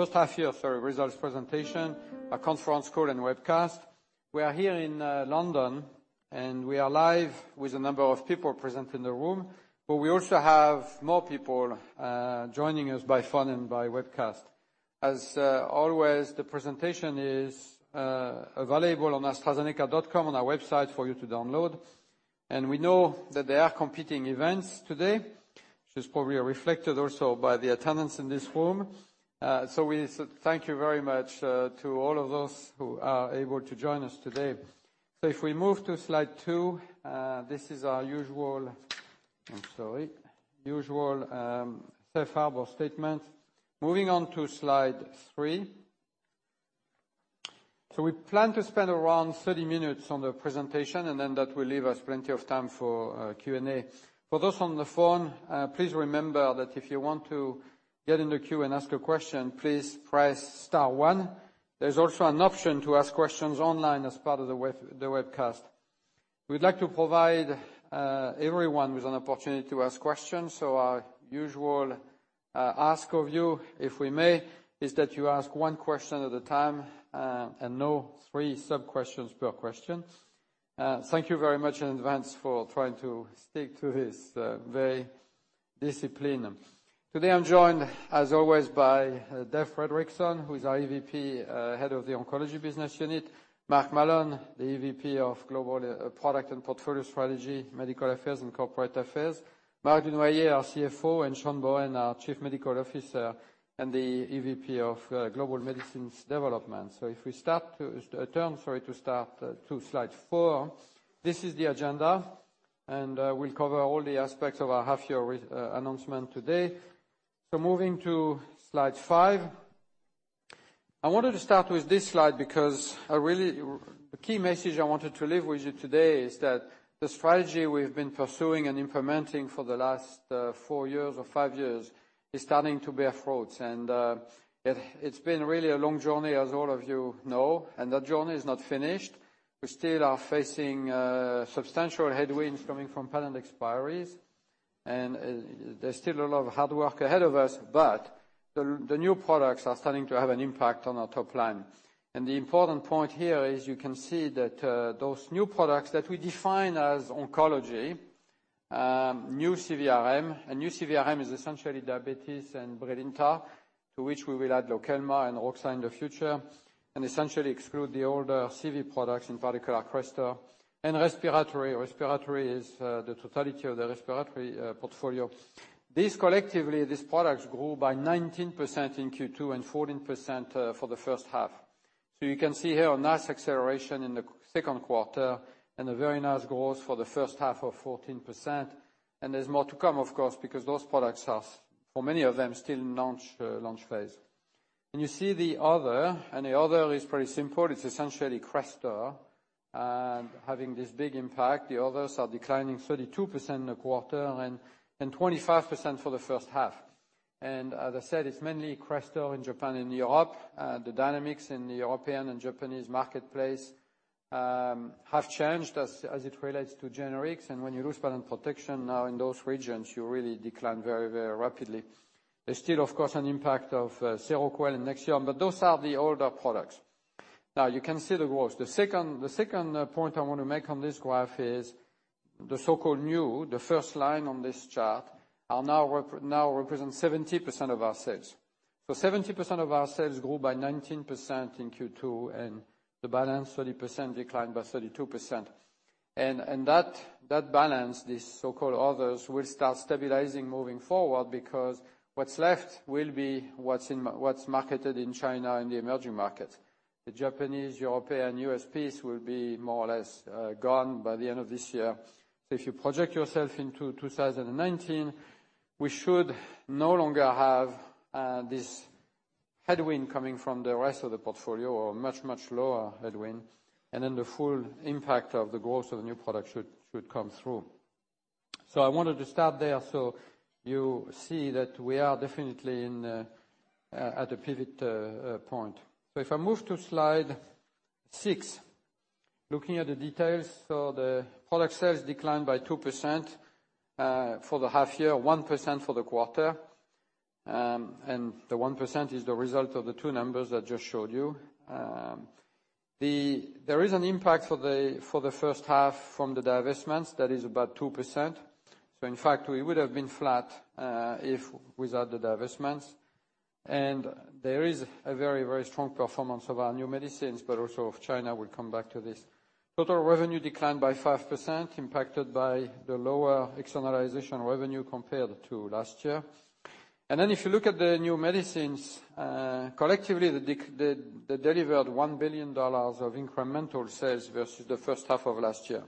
First half year results presentation, our conference call and webcast. We are here in London, and we are live with a number of people present in the room, but we also have more people joining us by phone and by webcast. As always, the presentation is available on astrazeneca.com on our website for you to download. We know that there are competing events today, which is probably reflected also by the attendance in this room. We thank you very much to all of those who are able to join us today. If we move to slide two, this is our, I'm sorry, usual safe harbor statement. Moving on to slide three. We plan to spend around 30 minutes on the presentation, and then that will leave us plenty of time for Q&A. For those on the phone, please remember that if you want to get in the queue and ask a question, please press star one. There is also an option to ask questions online as part of the webcast. We would like to provide everyone with an opportunity to ask questions, our usual ask of you, if we may, is that you ask one question at a time, and no three sub-questions per question. Thank you very much in advance for trying to stick to this very discipline. Today I am joined, as always, by Dave Fredrickson, who is our EVP, Head of the Oncology Business Unit, Mark Mallon, the EVP of Global Product and Portfolio Strategy, Medical Affairs, and Corporate Affairs. Marc Dunoyer, our CFO, and Sean Bohen, our Chief Medical Officer and the EVP of Global Medicines Development. If we turn to slide four. This is the agenda, we will cover all the aspects of our half year announcement today. Moving to slide five. I wanted to start with this slide because a key message I wanted to leave with you today is that the strategy we have been pursuing and implementing for the last four years or five years is starting to bear fruit. It has been really a long journey, as all of you know, and that journey is not finished. We still are facing substantial headwinds coming from patent expiries. There is still a lot of hard work ahead of us, but the new products are starting to have an impact on our top line. The important point here is you can see that those new products that we define as oncology, New CVRM, and New CVRM is essentially diabetes and BRILINTA, to which we will add LOKELMA and roxadustat in the future, and essentially exclude the older CV products, in particular Crestor and respiratory. Respiratory is the totality of the respiratory portfolio. These collectively, these products grew by 19% in Q2 and 14% for the first half. You can see here a nice acceleration in the second quarter and a very nice growth for the first half of 14%. There is more to come, of course, because those products are, for many of them, still in launch phase. You see the other, the other is pretty simple. It is essentially Crestor having this big impact. The others are declining 32% in the quarter and 25% for the first half. As I said, it's mainly Crestor in Japan and Europe. The dynamics in the European and Japanese marketplace have changed as it relates to generics. When you lose patent protection now in those regions, you really decline very rapidly. There's still, of course, an impact of Seroquel and Nexium, but those are the older products. You can see the growth. The second point I want to make on this graph is the so-called new, the first line on this chart, now represents 70% of our sales. 70% of our sales grew by 19% in Q2, and the balance, 30%, declined by 32%. That balance, these so-called others, will start stabilizing moving forward because what's left will be what's marketed in China and the emerging markets. The Japanese, European, U.S. piece will be more or less gone by the end of this year. If you project yourself into 2019, we should no longer have this headwind coming from the rest of the portfolio or much, much lower headwind, the full impact of the growth of new products should come through. I wanted to start there so you see that we are definitely at a pivot point. If I move to slide six, looking at the details. The product sales declined by 2% for the half year, 1% for the quarter. The 1% is the result of the two numbers I just showed you. There is an impact for the first half from the divestments that is about 2%. In fact, we would have been flat without the divestments. There is a very strong performance of our new medicines, but also of China. We'll come back to this. Total revenue declined by 5%, impacted by the lower externalization revenue compared to last year. If you look at the new medicines, collectively, they delivered $1 billion of incremental sales versus the first half of last year.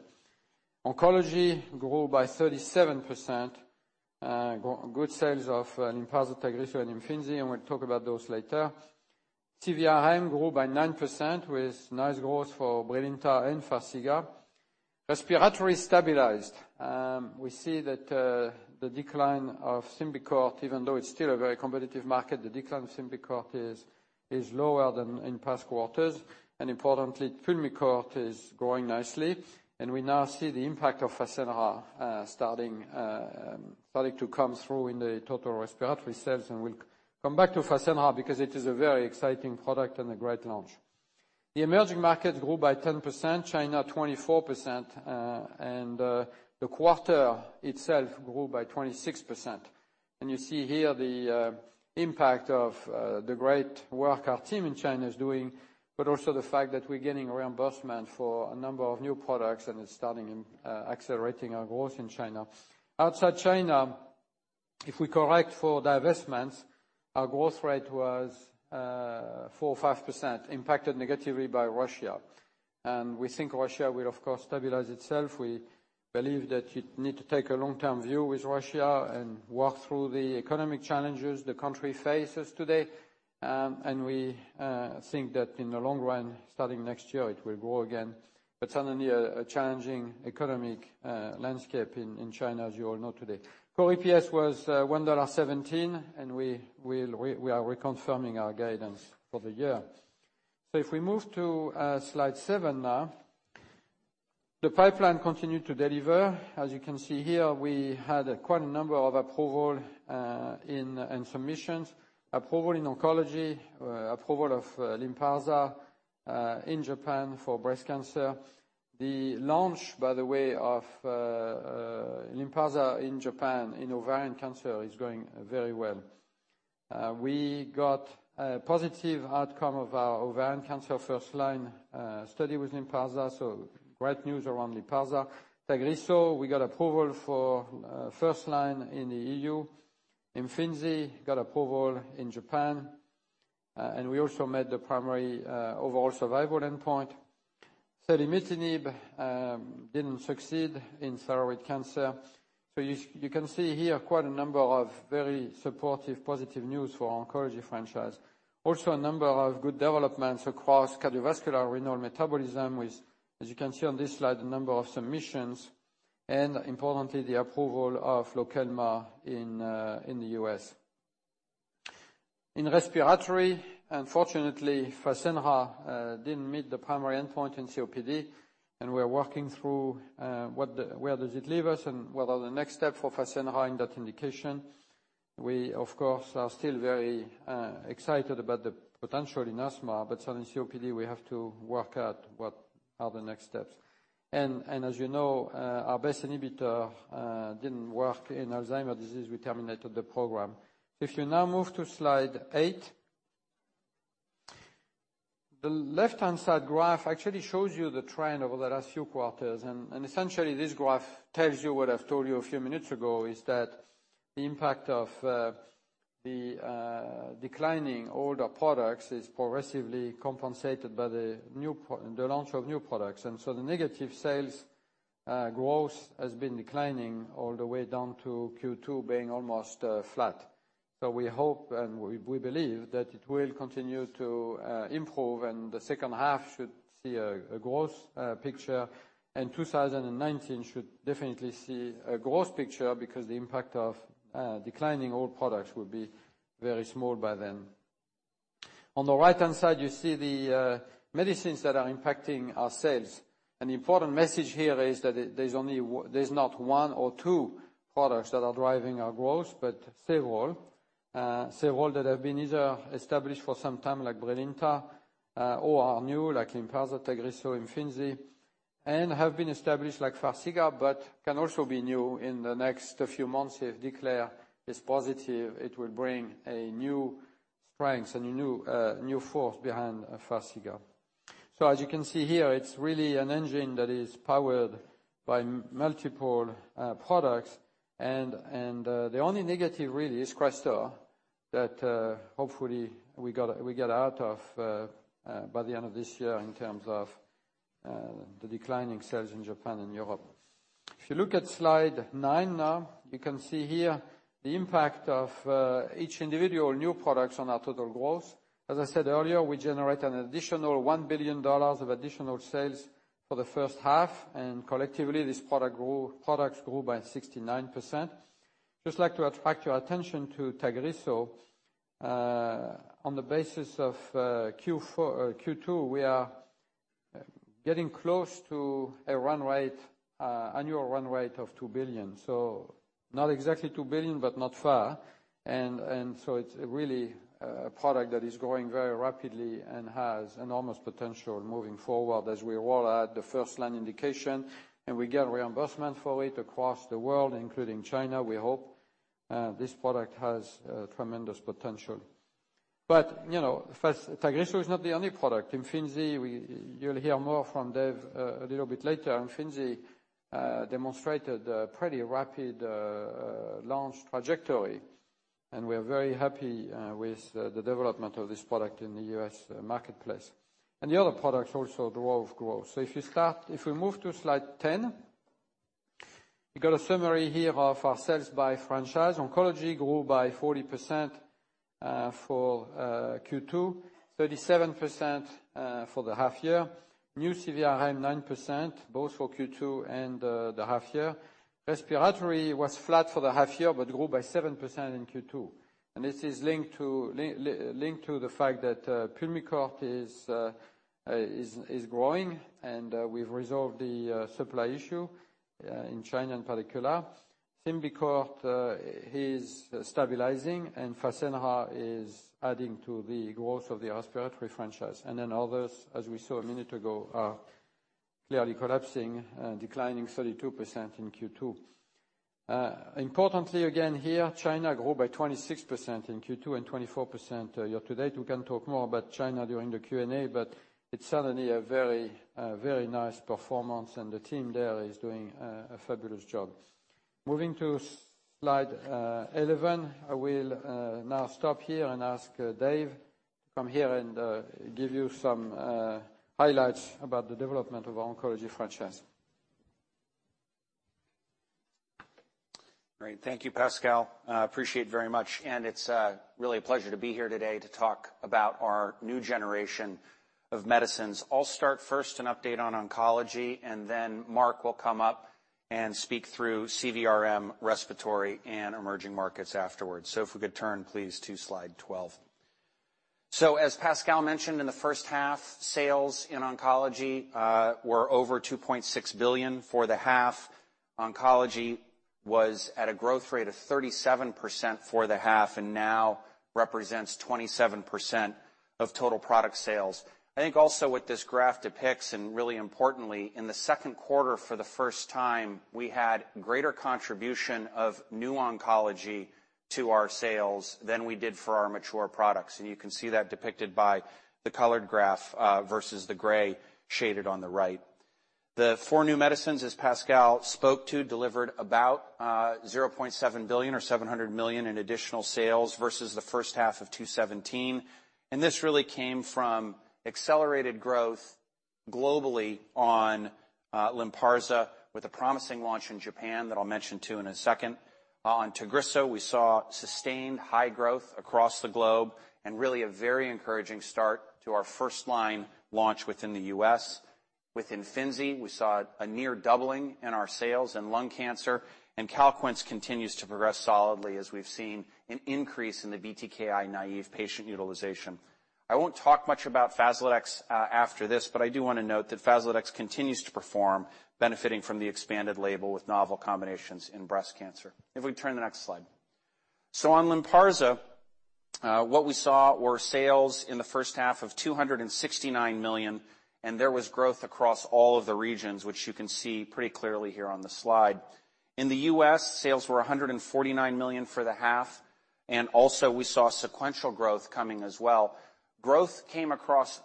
Oncology grew by 37%. Good sales of LYNPARZA, TAGRISSO, and Imfinzi, We'll talk about those later. CVRM grew by 9% with nice growth for BRILINTA and FARXIGA. Respiratory stabilized. We see that the decline of SYMBICORT, even though it's still a very competitive market, the decline of SYMBICORT is lower than in past quarters. Importantly, PULMICORT is growing nicely, and we now see the impact of FASENRA starting to come through in the total respiratory sales, We'll come back to FASENRA because it is a very exciting product and a great launch. The emerging markets grew by 10%, China 24%, and the quarter itself grew by 26%. You see here the impact of the great work our team in China is doing, also the fact that we're getting reimbursement for a number of new products, it's starting and accelerating our growth in China. Outside China, if we correct for divestments, our growth rate was 4% or 5%, impacted negatively by Russia. We think Russia will, of course, stabilize itself. We believe that you need to take a long-term view with Russia and work through the economic challenges the country faces today. We think that in the long run, starting next year, it will grow again. Certainly a challenging economic landscape in China, as you all know today. Core EPS was $1.17, We are reconfirming our guidance for the year. If we move to slide seven now. The pipeline continued to deliver. As you can see here, we had quite a number of approval and submissions. Approval in oncology, approval of LYNPARZA in Japan for breast cancer. The launch, by the way, of LYNPARZA in Japan in ovarian cancer is going very well. We got a positive outcome of our ovarian cancer first line study with LYNPARZA, great news around LYNPARZA. TAGRISSO, we got approval for first line in the EU. Imfinzi got approval in Japan. We also made the primary overall survival endpoint. SELUMETINIB didn't succeed in thyroid cancer. You can see here quite a number of very supportive, positive news for oncology franchise. Also, a number of good developments across cardiovascular, renal, metabolism with, as you can see on this slide, a number of submissions, and importantly, the approval of LOKELMA in the U.S. In respiratory, unfortunately, FASENRA didn't meet the primary endpoint in COPD, we're working through where does it leave us and what are the next steps for FASENRA in that indication. We, of course, are still very excited about the potential in asthma, certainly COPD, we have to work out what are the next steps. As you know, our BACE inhibitor didn't work in Alzheimer's disease. We terminated the program. If you now move to slide eight. The left-hand side graph actually shows you the trend over the last few quarters. Essentially, this graph tells you what I've told you a few minutes ago, is that the impact of the declining older products is progressively compensated by the launch of new products. The negative sales growth has been declining all the way down to Q2 being almost flat. We hope and we believe that it will continue to improve, the second half should see a growth picture, 2019 should definitely see a growth picture because the impact of declining old products will be very small by then. On the right-hand side, you see the medicines that are impacting our sales. An important message here is that there's not one or two products that are driving our growth, but several. Several that have been either established for some time, like BRILINTA, or are new, like LYNPARZA, TAGRISSO, Imfinzi, and have been established like FARXIGA, but can also be new in the next few months if DECLARE is positive. It will bring a new strength, a new force behind FARXIGA. As you can see here, it's really an engine that is powered by multiple products. The only negative really is Crestor, that hopefully we get out of by the end of this year in terms of the declining sales in Japan and Europe. If you look at slide nine now, you can see here the impact of each individual new products on our total growth. As I said earlier, we generate an additional $1 billion of additional sales for the first half, collectively, these products grew by 69%. Just like to attract your attention to TAGRISSO. On the basis of Q2, we are getting close to an annual run rate of $2 billion. Not exactly $2 billion, but not far. It's really a product that is growing very rapidly and has enormous potential moving forward as we roll out the first-line indication, we get reimbursement for it across the world, including China, we hope. This product has tremendous potential. Tagrisso is not the only product. Imfinzi, you'll hear more from Dave a little bit later. Imfinzi demonstrated a pretty rapid launch trajectory, and we are very happy with the development of this product in the U.S. marketplace. The other products also drove growth. If we move to slide 10, we got a summary here of our sales by franchise. Oncology grew by 40% for Q2, 37% for the half year. New CVRM 9%, both for Q2 and the half year. Respiratory was flat for the half year but grew by 7% in Q2. This is linked to the fact that PULMICORT is growing, and we've resolved the supply issue in China in particular. SYMBICORT is stabilizing, and FASENRA is adding to the growth of the respiratory franchise. Others, as we saw a minute ago, are clearly collapsing, declining 32% in Q2. Importantly, again here, China grew by 26% in Q2 and 24% year-to-date. We can talk more about China during the Q&A, it's certainly a very nice performance, and the team there is doing a fabulous job. Moving to slide 11. I will now stop here and ask Dave, come here and give you some highlights about the development of our oncology franchise. Great. Thank you, Pascal. I appreciate very much, it's really a pleasure to be here today to talk about our new generation of medicines. I'll start first an update on oncology, then Mark will come up and speak through CVRM, respiratory, and emerging markets afterwards. If we could turn, please, to slide 12. As Pascal mentioned, in the first half, sales in oncology were over $2.6 billion for the half. Oncology was at a growth rate of 37% for the half and now represents 27% of total product sales. I think also what this graph depicts, really importantly, in the second quarter for the first time, we had greater contribution of new oncology to our sales than we did for our mature products. You can see that depicted by the colored graph versus the gray shaded on the right. The four new medicines as Pascal spoke to, delivered about $0.7 billion or $700 million in additional sales versus the first half of 2017. This really came from accelerated growth globally on LYNPARZA with a promising launch in Japan that I'll mention to in a second. On TAGRISSO, we saw sustained high growth across the globe and really a very encouraging start to our first line launch within the U.S. Within Imfinzi, we saw a near doubling in our sales in lung cancer, CALQUENCE continues to progress solidly as we've seen an increase in the BTKi-naïve patient utilization. I won't talk much about FASLODEX after this, I do want to note that FASLODEX continues to perform, benefiting from the expanded label with novel combinations in breast cancer. If we turn to the next slide. On LYNPARZA, what we saw were sales in the first half of $269 million, and there was growth across all of the regions, which you can see pretty clearly here on the slide. In the U.S., sales were $149 million for the half, and also we saw sequential growth coming as well. Growth came across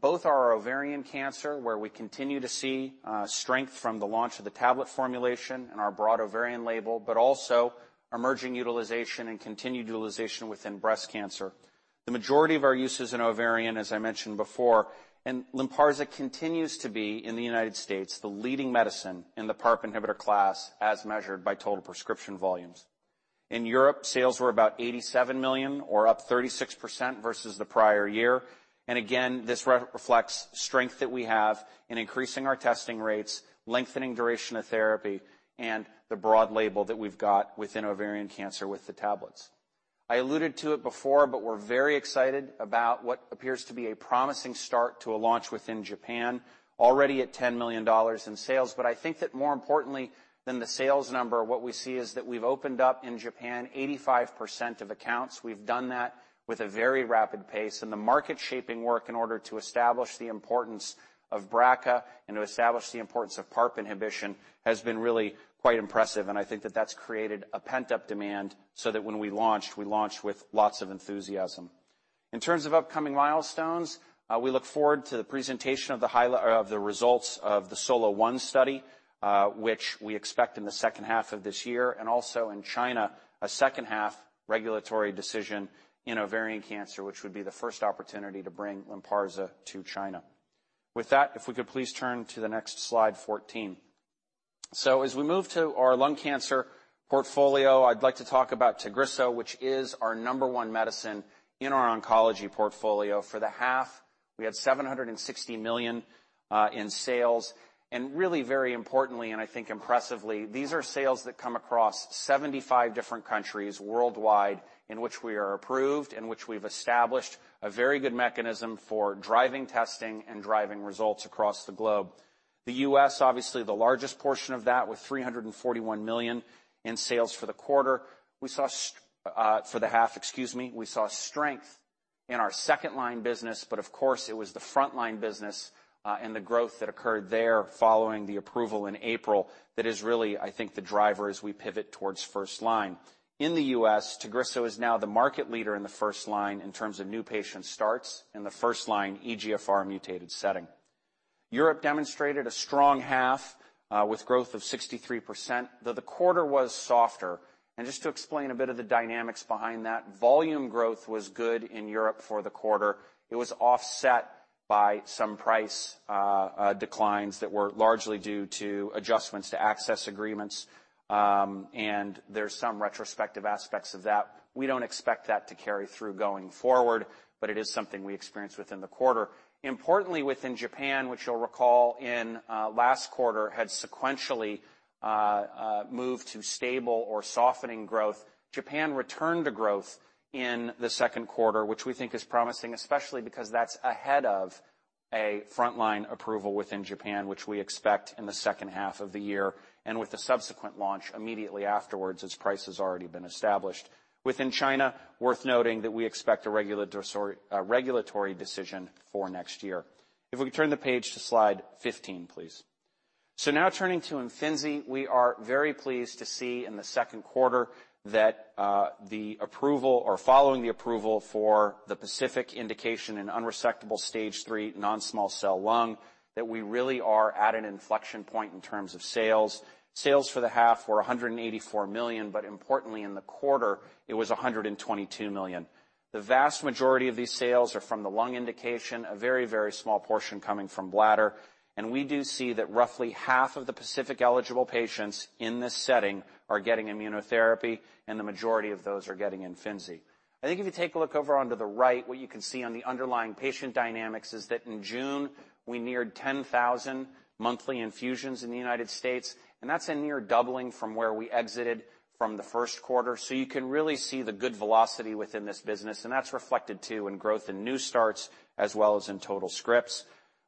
both our ovarian cancer, where we continue to see strength from the launch of the tablet formulation and our broad ovarian label, but also emerging utilization and continued utilization within breast cancer. The majority of our use is in ovarian, as I mentioned before, and LYNPARZA continues to be, in the United States, the leading medicine in the PARP inhibitor class as measured by total prescription volumes. In Europe, sales were about $87 million or up 36% versus the prior year. Again, this reflects strength that we have in increasing our testing rates, lengthening duration of therapy, and the broad label that we've got within ovarian cancer with the tablets. I alluded to it before, but we're very excited about what appears to be a promising start to a launch within Japan, already at $10 million in sales. I think that more importantly than the sales number, what we see is that we've opened up in Japan 85% of accounts. We've done that with a very rapid pace, and the market-shaping work in order to establish the importance of BRCA and to establish the importance of PARP inhibition has been really quite impressive. I think that that's created a pent-up demand so that when we launched, we launched with lots of enthusiasm. In terms of upcoming milestones, we look forward to the presentation of the results of the SOLO-1 study, which we expect in the second half of this year, and also in China, a second half regulatory decision in ovarian cancer, which would be the first opportunity to bring LYNPARZA to China. With that, if we could please turn to the next slide 14. As we move to our lung cancer portfolio, I'd like to talk about TAGRISSO, which is our number one medicine in our oncology portfolio. For the half, we had $760 million in sales, and really very importantly, and I think impressively, these are sales that come across 75 different countries worldwide in which we are approved, in which we've established a very good mechanism for driving testing and driving results across the globe. The U.S., obviously the largest portion of that with $341 million in sales for the quarter. We saw, for the half, excuse me. We saw strength in our second-line business, but of course it was the frontline business, and the growth that occurred there following the approval in April, that is really, I think, the driver as we pivot towards first line. In the U.S., TAGRISSO is now the market leader in the first line in terms of new patient starts in the first line EGFR mutated setting. Europe demonstrated a strong half, with growth of 63%, though the quarter was softer. Just to explain a bit of the dynamics behind that, volume growth was good in Europe for the quarter. It was offset by some price declines that were largely due to adjustments to access agreements, and there's some retrospective aspects of that. We don't expect that to carry through going forward, but it is something we experienced within the quarter. Importantly, within Japan, which you'll recall in last quarter, had sequentially moved to stable or softening growth. Japan returned to growth in the second quarter, which we think is promising, especially because that's ahead of a frontline approval within Japan, which we expect in the second half of the year, and with the subsequent launch immediately afterwards, its price has already been established. Within China, worth noting that we expect a regulatory decision for next year. If we could turn the page to slide 15, please. Now turning to Imfinzi, we are very pleased to see in the second quarter that the approval or following the approval for the PACIFIC indication in unresectable stage 3 non-small cell lung, that we really are at an inflection point in terms of sales. Sales for the half were $184 million, but importantly in the quarter, it was $122 million. The vast majority of these sales are from the lung indication, a very small portion coming from bladder. We do see that roughly half of the PACIFIC eligible patients in this setting are getting immunotherapy, and the majority of those are getting Imfinzi. I think if you take a look over onto the right, what you can see on the underlying patient dynamics is that in June, we neared 10,000 monthly infusions in the United States, and that's a near doubling from where we exited from the first quarter. You can really see the good velocity within this business, and that's reflected too in growth in new starts as well as in total scripts.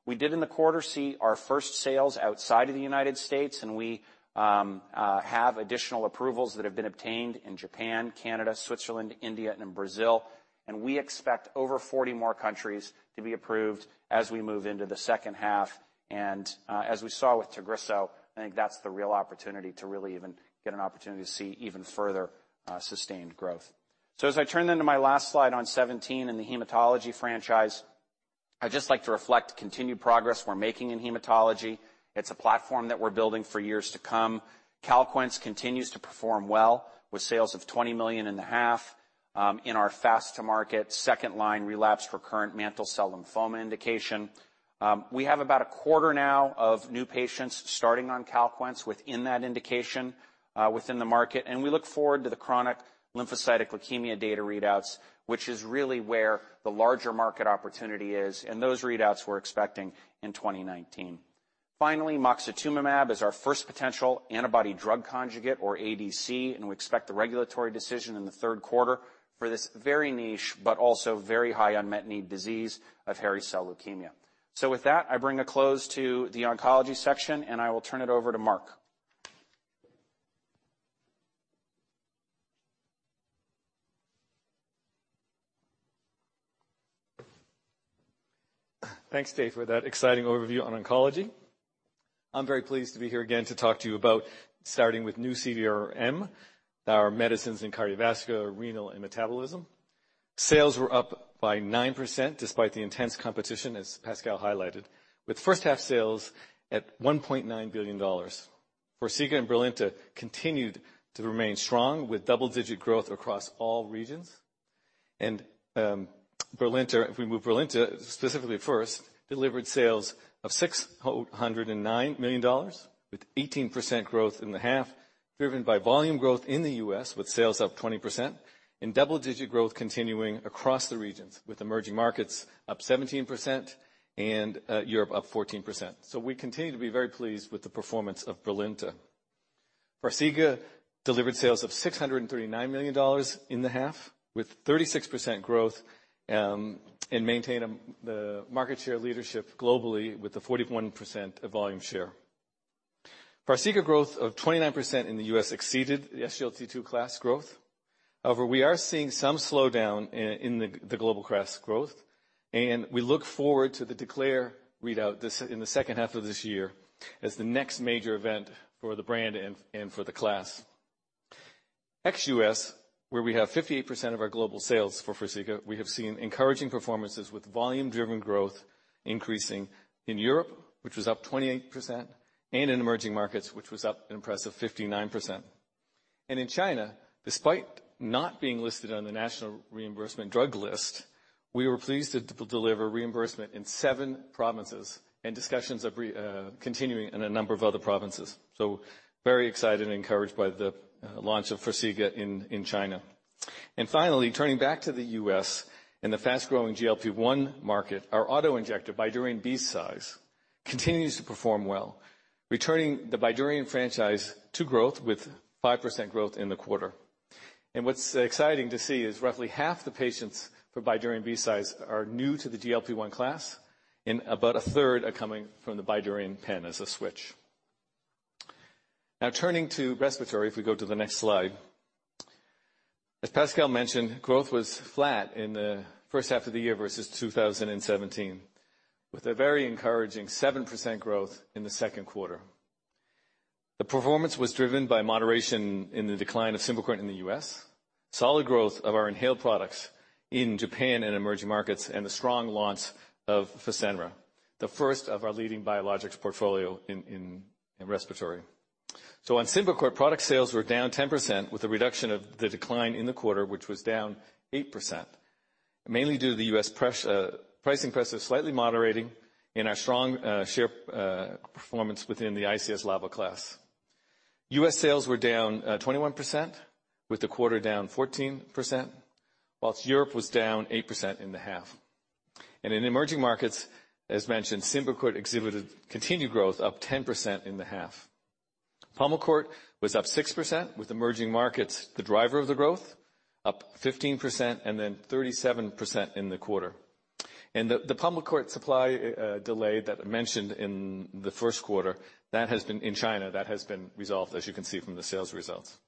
We did in the quarter see our first sales outside of the United States, and we have additional approvals that have been obtained in Japan, Canada, Switzerland, India, and in Brazil. We expect over 40 more countries to be approved as we move into the second half. As we saw with TAGRISSO, I think that's the real opportunity to really even get an opportunity to see even further sustained growth. As I turn then to my last slide 17 in the hematology franchise, I'd just like to reflect continued progress we're making in hematology. It's a platform that we're building for years to come. CALQUENCE continues to perform well with sales of $20 million in the half in our fast-to-market second line relapse/recurrent mantle cell lymphoma indication. We have about a quarter now of new patients starting on CALQUENCE within that indication within the market, and we look forward to the chronic lymphocytic leukemia data readouts, which is really where the larger market opportunity is. Those readouts we're expecting in 2019. Finally, Moxetumomab is our first potential antibody drug conjugate or ADC, and we expect the regulatory decision in the third quarter for this very niche but also very high unmet need disease of hairy cell leukemia. With that, I bring a close to the oncology section, and I will turn it over to Mark. Thanks, Dave, for that exciting overview on oncology. I'm very pleased to be here again to talk to you about starting with New CVRM, our medicines in cardiovascular, renal, and metabolism. Sales were up by 9%, despite the intense competition, as Pascal highlighted, with first half sales at $1.9 billion. FARXIGA and BRILINTA continued to remain strong with double-digit growth across all regions. If we move BRILINTA specifically first, delivered sales of $609 million with 18% growth in the half, driven by volume growth in the U.S. with sales up 20% and double-digit growth continuing across the regions, with emerging markets up 17% and Europe up 14%. We continue to be very pleased with the performance of BRILINTA. FARXIGA delivered sales of $639 million in the half with 36% growth, and maintain the market share leadership globally with the 41% volume share. FARXIGA growth of 29% in the U.S. exceeded the SGLT2 class growth. However, we are seeing some slowdown in the global class growth, and we look forward to the DECLARE readout in the second half of this year as the next major event for the brand and for the class. Ex-U.S., where we have 58% of our global sales for FARXIGA, we have seen encouraging performances with volume-driven growth increasing in Europe, which was up 28%, and in emerging markets, which was up an impressive 59%. In China, despite not being listed on the national reimbursement drug list, we were pleased to deliver reimbursement in seven provinces and discussions continuing in a number of other provinces. Very excited and encouraged by the launch of FARXIGA in China. Finally, turning back to the U.S. in the fast-growing GLP-1 market, our auto injector BYDUREON BCise continues to perform well, returning the BYDUREON franchise to growth with 5% growth in the quarter. What's exciting to see is roughly half the patients for BYDUREON BCise are new to the GLP-1 class, and about a third are coming from the BYDUREON pen as a switch. Now turning to respiratory, if we go to the next slide. As Pascal mentioned, growth was flat in the first half of the year versus 2017, with a very encouraging 7% growth in the second quarter. The performance was driven by moderation in the decline of SYMBICORT in the U.S., solid growth of our inhaled products in Japan and emerging markets, and the strong launch of FASENRA, the first of our leading biologics portfolio in respiratory. On SYMBICORT, product sales were down 10%, with a reduction of the decline in the quarter, which was down 8%, mainly due to the U.S. pricing pressure slightly moderating and our strong share performance within the ICS/LABA class. U.S. sales were down 21%, with the quarter down 14%, whilst Europe was down 8% in the half. In emerging markets, as mentioned, SYMBICORT exhibited continued growth, up 10% in the half. PULMICORT was up 6%, with emerging markets the driver of the growth, up 15% and then 37% in the quarter. The PULMICORT supply delay that I mentioned in the first quarter, in China, that has been resolved, as you can see from the sales results.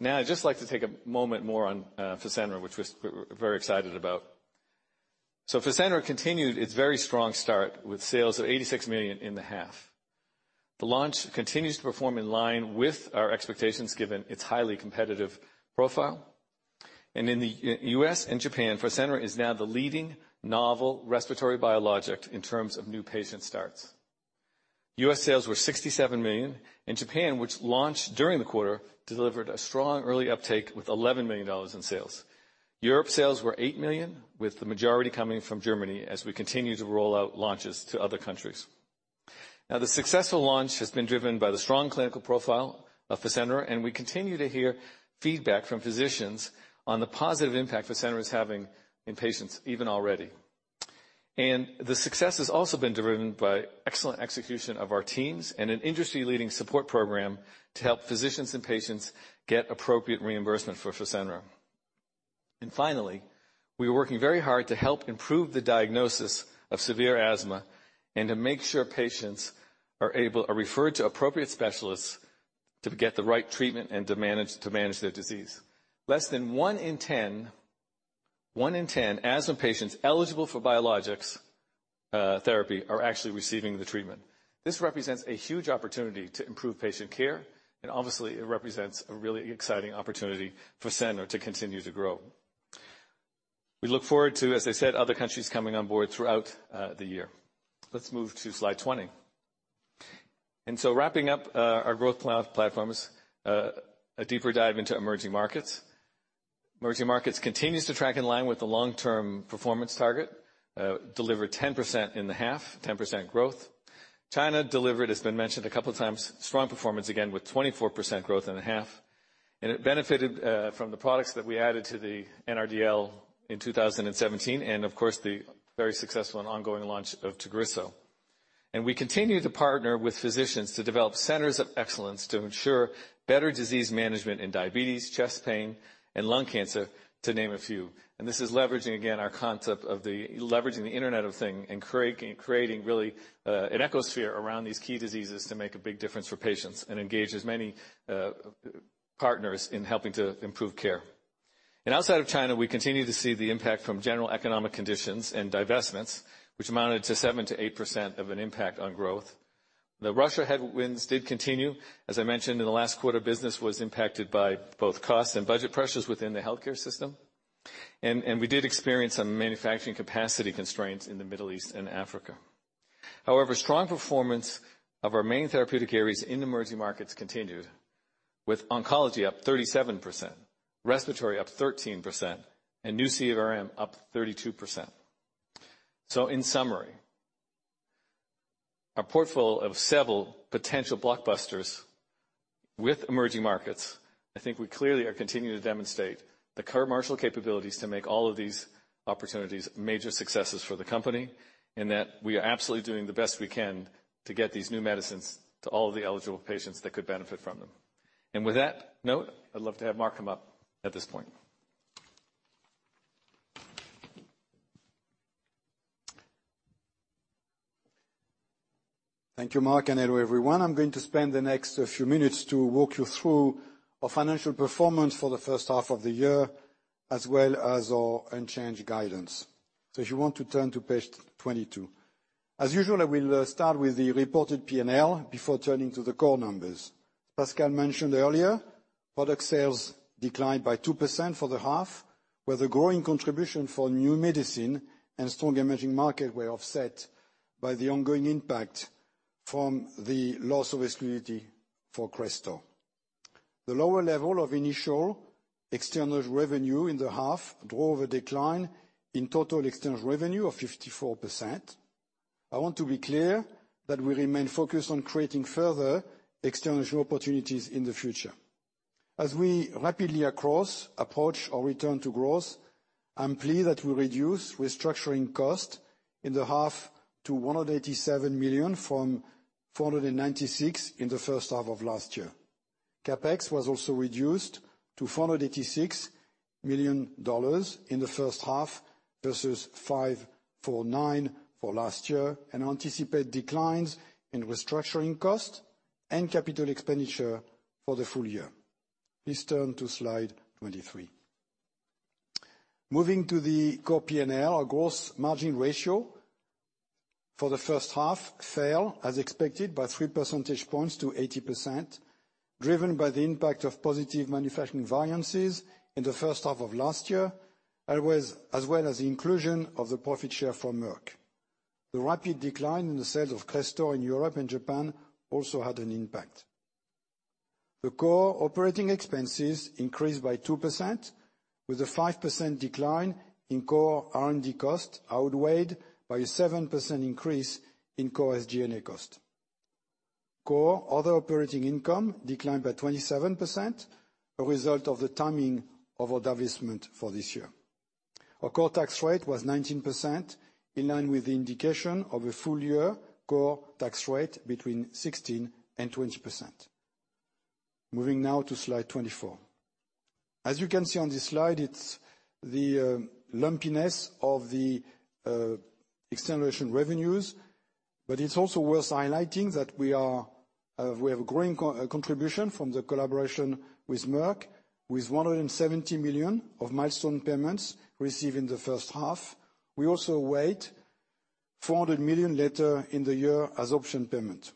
Now I'd just like to take a moment more on FASENRA, which we're very excited about. FASENRA continued its very strong start with sales of $86 million in the half. The launch continues to perform in line with our expectations, given its highly competitive profile. In the U.S. and Japan, FASENRA is now the leading novel respiratory biologic in terms of new patient starts. U.S. sales were $67 million, and Japan, which launched during the quarter, delivered a strong early uptake with $11 million in sales. Europe sales were $8 million, with the majority coming from Germany as we continue to roll out launches to other countries. The successful launch has been driven by the strong clinical profile of FASENRA, and we continue to hear feedback from physicians on the positive impact FASENRA is having in patients even already. The success has also been driven by excellent execution of our teams and an industry-leading support program to help physicians and patients get appropriate reimbursement for FASENRA. Finally, we are working very hard to help improve the diagnosis of severe asthma and to make sure patients are referred to appropriate specialists to get the right treatment and to manage their disease. Less than one in 10 asthma patients eligible for biologics therapy are actually receiving the treatment. This represents a huge opportunity to improve patient care, and obviously it represents a really exciting opportunity for FASENRA to continue to grow. We look forward to, as I said, other countries coming on board throughout the year. Let's move to slide 20. Wrapping up our growth platforms, a deeper dive into emerging markets. Emerging markets continues to track in line with the long-term performance target, delivered 10% in the half, 10% growth. China delivered, as has been mentioned a couple of times, strong performance, again with 24% growth in the half. It benefited from the products that we added to the NRDL in 2017, and of course, the very successful and ongoing launch of TAGRISSO. We continue to partner with physicians to develop centers of excellence to ensure better disease management in diabetes, chest pain, and lung cancer, to name a few. This is leveraging, again, our concept of leveraging the Internet of Things and creating really an ecosphere around these key diseases to make a big difference for patients and engage as many partners in helping to improve care. Outside of China, we continue to see the impact from general economic conditions and divestments, which amounted to 7%-8% of an impact on growth. The Russia headwinds did continue. As I mentioned in the last quarter, business was impacted by both cost and budget pressures within the healthcare system. We did experience some manufacturing capacity constraints in the Middle East and Africa. However, strong performance of our main therapeutic areas in emerging markets continued with oncology up 37%, respiratory up 13%, and New CVRM up 32%. In summary, our portfolio of several potential blockbusters with emerging markets, I think we clearly are continuing to demonstrate the commercial capabilities to make all of these opportunities major successes for the company, and that we are absolutely doing the best we can to get these new medicines to all the eligible patients that could benefit from them. With that note, I'd love to have Marc come up at this point. Thank you, Marc, and hello, everyone. I'm going to spend the next few minutes to walk you through our financial performance for the first half of the year, as well as our unchanged guidance. If you want to turn to page 22. As usual, I will start with the reported P&L before turning to the core numbers. Pascal mentioned earlier, product sales declined by 2% for the half, where the growing contribution for new medicine and strong emerging market were offset by the ongoing impact from the loss of exclusivity for Crestor. The lower level of initial external revenue in the half drove a decline in total external revenue of 54%. I want to be clear that we remain focused on creating further external opportunities in the future. As we rapidly approach our return to growth, I'm pleased that we reduced restructuring cost in the half to $187 million from $496 million in the first half of last year. CapEx was also reduced to $486 million in the first half, versus $549 million for last year, and anticipate declines in restructuring cost and capital expenditure for the full year. Please turn to slide 23. Moving to the core P&L, our gross margin ratio for the first half fell as expected by 3 percentage points to 80%, driven by the impact of positive manufacturing variances in the first half of last year, as well as the inclusion of the profit share from Merck. The rapid decline in the sales of Crestor in Europe and Japan also had an impact. The core operating expenses increased by 2%, with a 5% decline in core R&D costs outweighed by a 7% increase in core SG&A costs. Core other operating income declined by 27%, a result of the timing of our divestment for this year. Our core tax rate was 19%, in line with the indication of a full year core tax rate between 16%-20%. Moving now to slide 24. As you can see on this slide, it's the lumpiness of the externalization revenues, but it's also worth highlighting that we have a growing contribution from the collaboration with Merck, with $170 million of milestone payments received in the first half. We also await $400 million later in the year as option payment.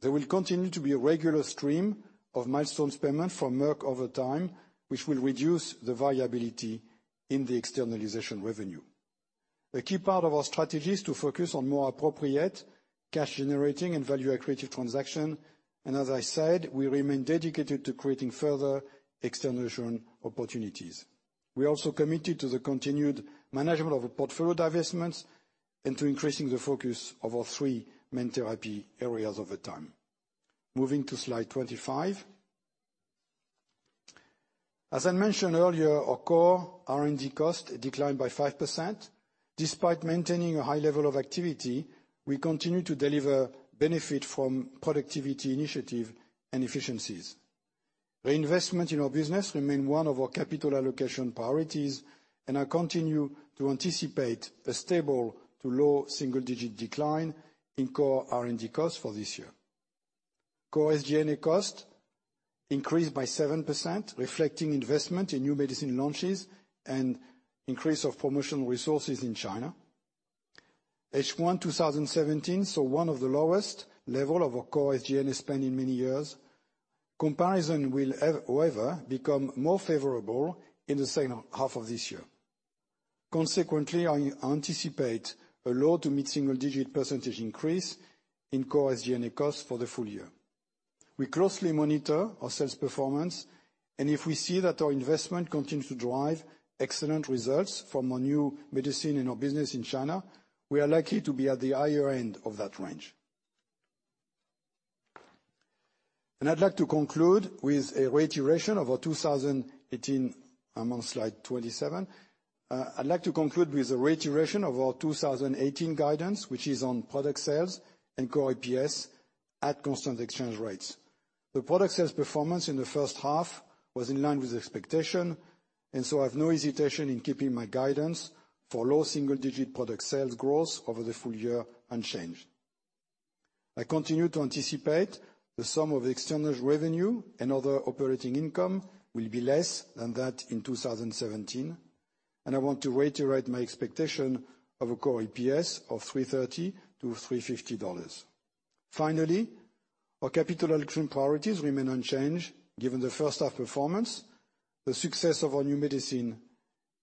There will continue to be a regular stream of milestones payment from Merck over time, which will reduce the variability in the externalization revenue. A key part of our strategy is to focus on more appropriate cash-generating and value-accretive transaction. As I said, we remain dedicated to creating further externalization opportunities. We are also committed to the continued management of our portfolio divestments and to increasing the focus of our three main therapy areas over time. Moving to slide 25. As I mentioned earlier, our core R&D costs declined by 5%. Despite maintaining a high level of activity, we continue to deliver benefit from productivity initiative and efficiencies. Reinvestment in our business remain one of our capital allocation priorities. I continue to anticipate a stable to low single-digit decline in core R&D costs for this year. Core SG&A costs increased by 7%, reflecting investment in new medicine launches and increase of promotional resources in China. H1 2017 saw one of the lowest level of our core SG&A spend in many years. Comparison will, however, become more favorable in the second half of this year. Consequently, I anticipate a low to mid-single-digit percentage increase in core SG&A costs for the full year. We closely monitor our sales performance. If we see that our investment continues to drive excellent results from our new medicine in our business in China, we are likely to be at the higher end of that range. I'd like to conclude with a reiteration of our 2018. I'm on slide 27. I'd like to conclude with a reiteration of our 2018 guidance, which is on product sales and core EPS at constant exchange rates. The product sales performance in the first half was in line with expectation. I have no hesitation in keeping my guidance for low single-digit product sales growth over the full year unchanged. I continue to anticipate the sum of the externalized revenue and other operating income will be less than that in 2017. I want to reiterate my expectation of a core EPS of $330-$350. Finally, our capital allocation priorities remain unchanged given the first half performance, the success of our new medicine,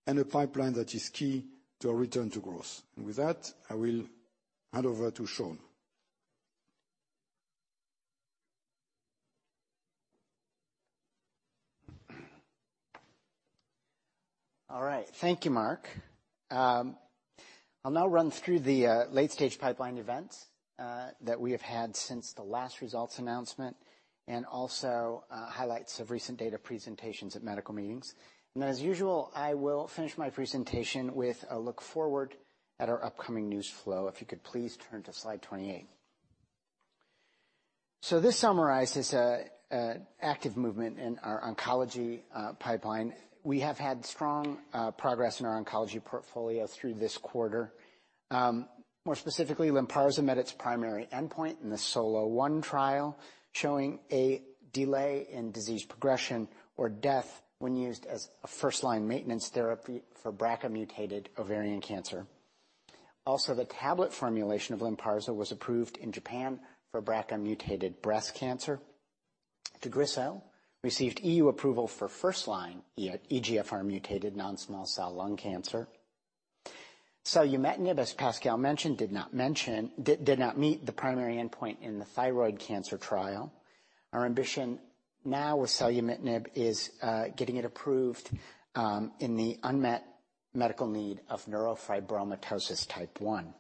and a pipeline that is key to a return to growth. With that, I will hand over to Sean. All right. Thank you, Marc. I'll now run through the late-stage pipeline events that we have had since the last results announcement, and also highlights of recent data presentations at medical meetings. As usual, I will finish my presentation with a look forward at our upcoming news flow. If you could please turn to slide 28. This summarizes active movement in our oncology pipeline. We have had strong progress in our oncology portfolio through this quarter. More specifically, LYNPARZA met its primary endpoint in the SOLO-1 trial, showing a delay in disease progression or death when used as a first-line maintenance therapy for BRCA-mutated ovarian cancer. Also, the tablet formulation of LYNPARZA was approved in Japan for BRCA-mutated breast cancer. TAGRISSO received EU approval for first-line EGFR mutated non-small cell lung cancer. Selumetinib, as Pascal mentioned, did not meet the primary endpoint in the thyroid cancer trial. Our ambition now with selumetinib is getting it approved in the unmet medical need of neurofibromatosis type 1.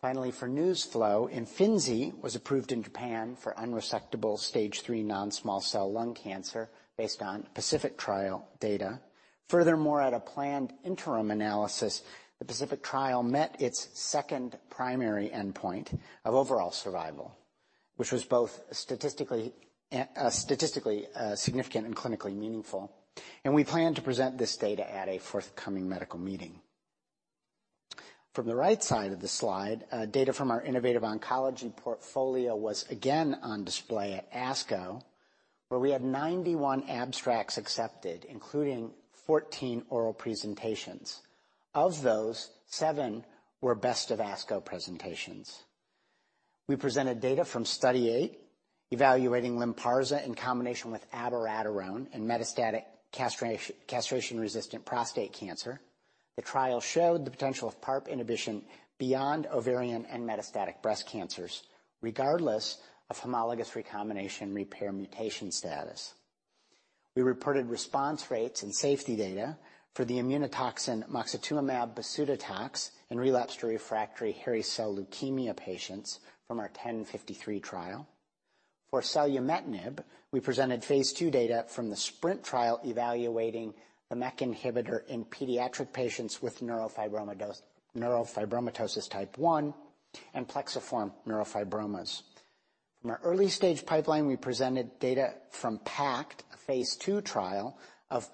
Finally, for news flow, Imfinzi was approved in Japan for unresectable stage III non-small cell lung cancer based on PACIFIC trial data. Furthermore, at a planned interim analysis, the PACIFIC trial met its second primary endpoint of overall survival, which was both statistically significant and clinically meaningful. We plan to present this data at a forthcoming medical meeting. From the right side of the slide, data from our innovative oncology portfolio was again on display at ASCO, where we had 91 abstracts accepted, including 14 oral presentations. Of those, seven were best of ASCO presentations. We presented data from Study 8 evaluating LYNPARZA in combination with abiraterone in metastatic castration-resistant prostate cancer. The trial showed the potential of PARP inhibition beyond ovarian and metastatic breast cancers, regardless of homologous recombination repair mutation status. We reported response rates and safety data for the immunotoxin moxetumomab pasudotox in relapsed or refractory hairy cell leukemia patients from our 1053 trial. For selumetinib, we presented phase II data from the SPRINT trial evaluating the MEK inhibitor in pediatric patients with neurofibromatosis type 1 and plexiform neurofibromas. From our early-stage pipeline, we presented data from PACT, a phase II trial of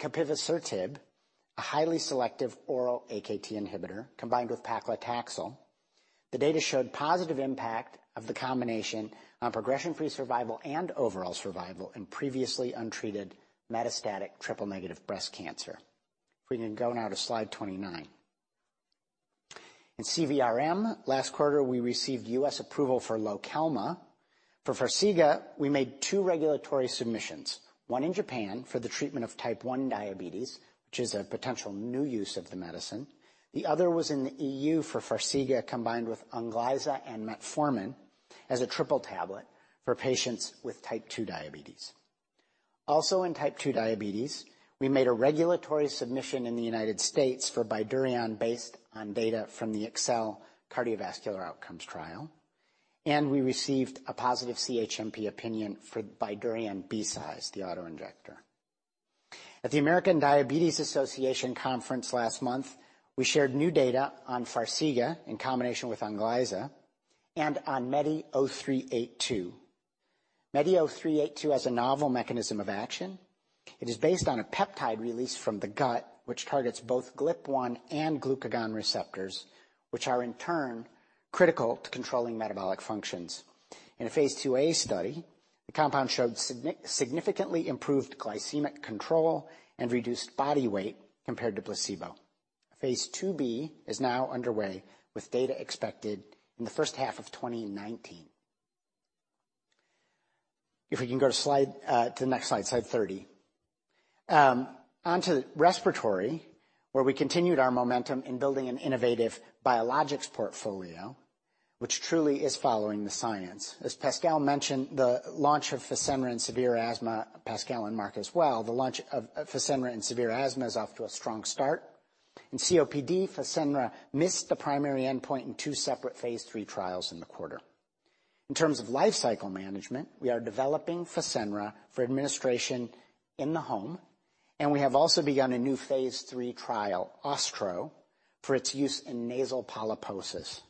capivasertib, a highly selective oral Akt inhibitor combined with paclitaxel. The data showed positive impact of the combination on progression-free survival and overall survival in previously untreated metastatic triple-negative breast cancer. If we can go now to slide 29. In CVRM, last quarter, we received U.S. approval for LOKELMA. For FARXIGA, we made two regulatory submissions, one in Japan for the treatment of type 1 diabetes, which is a potential new use of the medicine. The other was in the EU for FARXIGA combined with Onglyza and metformin as a triple tablet for patients with type 2 diabetes. Also, in type 2 diabetes, we made a regulatory submission in the United States for Bydureon based on data from the EXSCEL cardiovascular outcomes trial, and we received a positive CHMP opinion for BYDUREON BCise, the auto-injector. At the American Diabetes Association conference last month, we shared new data on FARXIGA in combination with Onglyza and on MEDI0382. MEDI0382 has a novel mechanism of action. It is based on a peptide released from the gut, which targets both GLP-1 and glucagon receptors, which are in turn critical to controlling metabolic functions. In a phase II-A study, the compound showed significantly improved glycemic control and reduced body weight compared to placebo. Phase II-B is now underway, with data expected in the first half of 2019. If we can go to the next slide 30. Onto respiratory, where we continued our momentum in building an innovative biologics portfolio, which truly is following the science. As Pascal mentioned, the launch of FASENRA in severe asthma, Pascal and Mark as well, the launch of FASENRA in severe asthma is off to a strong start. In COPD, FASENRA missed the primary endpoint in two separate phase III trials in the quarter. In terms of life cycle management, we are developing FASENRA for administration in the home, and we have also begun a new phase III trial, OSTRO, for its use in nasal polyposis.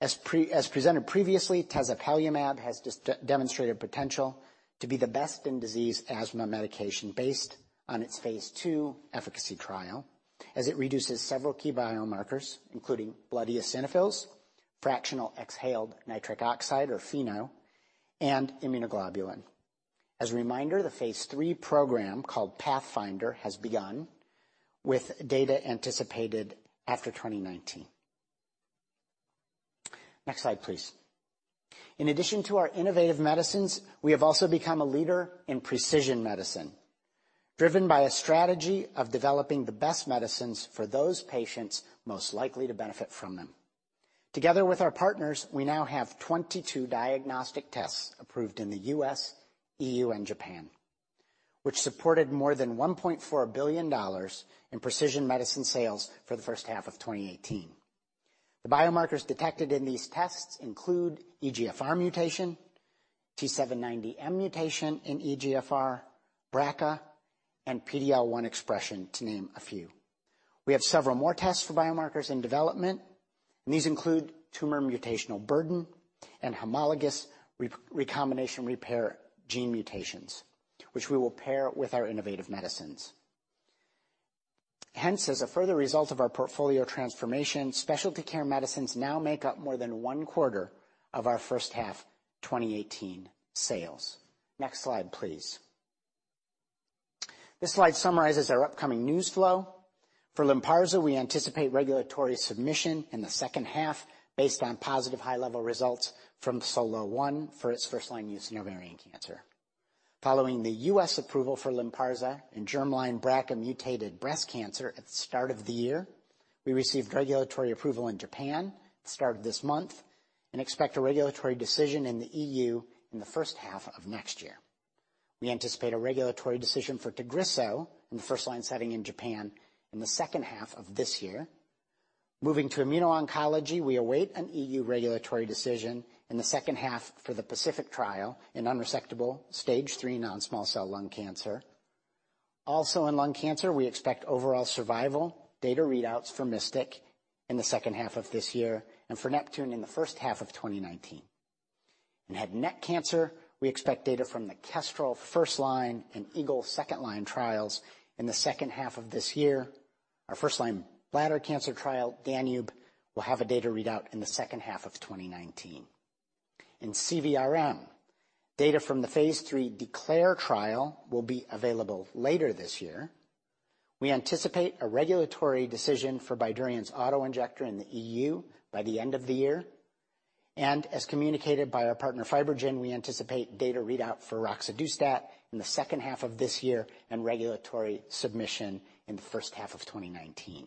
As presented previously, tezepelumab has demonstrated potential to be the best-in-disease asthma medication based on its phase II efficacy trial, as it reduces several key biomarkers, including blood eosinophils, fractional exhaled nitric oxide, or FeNO, and immunoglobulin. As a reminder, the phase III program, called PATHFINDER, has begun with data anticipated after 2019. Next slide, please. In addition to our innovative medicines, we have also become a leader in precision medicine, driven by a strategy of developing the best medicines for those patients most likely to benefit from them. Together with our partners, we now have 22 diagnostic tests approved in the U.S., EU, and Japan, which supported more than $1.4 billion in precision medicine sales for the first half of 2018. The biomarkers detected in these tests include EGFR mutation, T790M mutation in EGFR, BRCA, and PD-L1 expression, to name a few. We have several more tests for biomarkers in development. These include tumor mutational burden and homologous recombination repair gene mutations, which we will pair with our innovative medicines. As a further result of our portfolio transformation, specialty care medicines now make up more than one-quarter of our first-half 2018 sales. Next slide, please. This slide summarizes our upcoming news flow. For LYNPARZA, we anticipate regulatory submission in the second half based on positive high-level results from SOLO-1 for its first-line use in ovarian cancer. Following the U.S. approval for LYNPARZA in germline BRCA-mutated breast cancer at the start of the year, we received regulatory approval in Japan at the start of this month and expect a regulatory decision in the EU in the first half of next year. We anticipate a regulatory decision for TAGRISSO in the first-line setting in Japan in the second half of this year. Moving to immuno-oncology, we await an EU regulatory decision in the second half for the PACIFIC trial in unresectable stage 3 non-small cell lung cancer. Also, in lung cancer, we expect overall survival data readouts for MYSTIC in the second half of this year, and for NEPTUNE in the first half of 2019. In head and neck cancer, we expect data from the KESTREL first-line and EAGLE second-line trials in the second half of this year. Our first-line bladder cancer trial, DANUBE, will have a data readout in the second half of 2019. In CVRM, data from the phase III DECLARE trial will be available later this year. We anticipate a regulatory decision for BYDUREON's auto-injector in the EU by the end of the year. As communicated by our partner, FibroGen, we anticipate data readout for roxadustat in the second half of this year, and regulatory submission in the first half of 2019.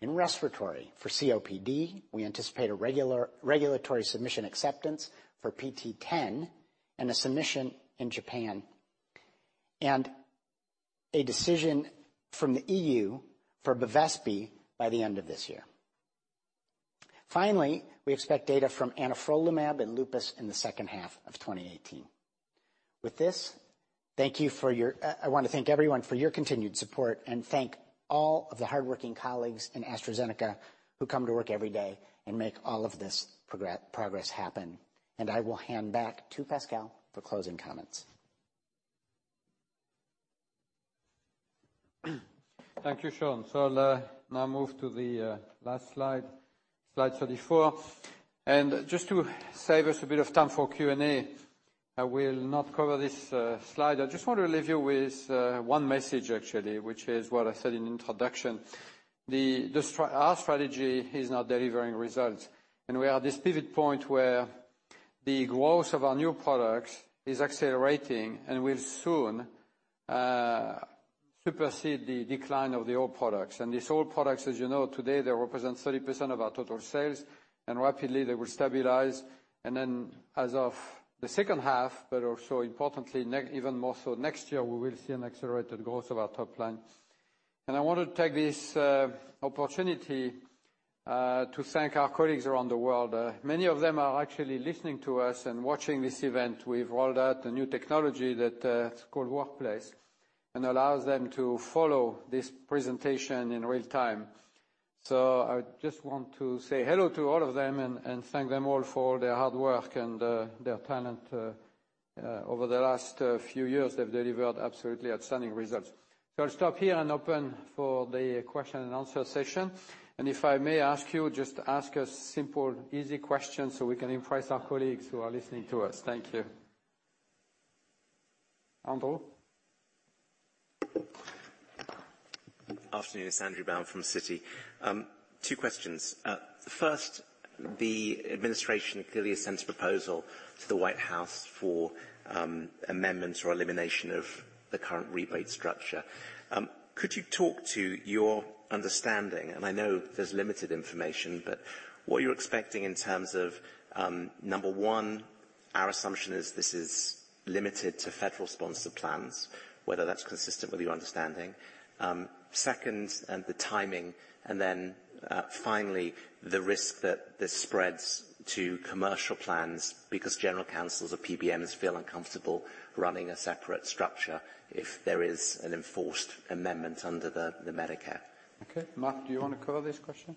In respiratory for COPD, we anticipate a regulatory submission acceptance for PT010, and a submission in Japan. A decision from the EU for Bevespi by the end of this year. Finally, we expect data from anifrolumab in lupus in the second half of 2018. With this, I want to thank everyone for your continued support, and thank all of the hardworking colleagues in AstraZeneca who come to work every day and make all of this progress happen. I will hand back to Pascal for closing comments. Thank you, Sean. I'll now move to the last slide 44. Just to save us a bit of time for Q&A, I will not cover this slide. I just want to leave you with one message, actually, which is what I said in introduction. Our strategy is now delivering results. We are at this pivot point where the growth of our new products is accelerating and will soon supersede the decline of the old products. These old products, as you know, today, they represent 30% of our total sales. Rapidly they will stabilize. Then as of the second half, but also importantly, even more so next year, we will see an accelerated growth of our top line. I want to take this opportunity to thank our colleagues around the world. Many of them are actually listening to us and watching this event. We've rolled out a new technology that's called Workplace, and allows them to follow this presentation in real time. I just want to say hello to all of them and thank them all for their hard work and their talent. Over the last few years, they've delivered absolutely outstanding results. I'll stop here and open for the question and answer session. If I may ask you, just ask a simple, easy question so we can impress our colleagues who are listening to us. Thank you. Andrew? Afternoon, it's Andrew Baum from Citi. Two questions. First, the administration clearly has sent a proposal to the White House for amendments or elimination of the current rebate structure. Could you talk to your understanding, and I know there's limited information, but what you're expecting in terms of, number one, our assumption is this is limited to federal sponsored plans, whether that's consistent with your understanding. Second, the timing and finally, the risk that this spreads to commercial plans because general counsels or PBMs feel uncomfortable running a separate structure if there is an enforced amendment under the Medicare. Okay. Mark, do you want to cover this question?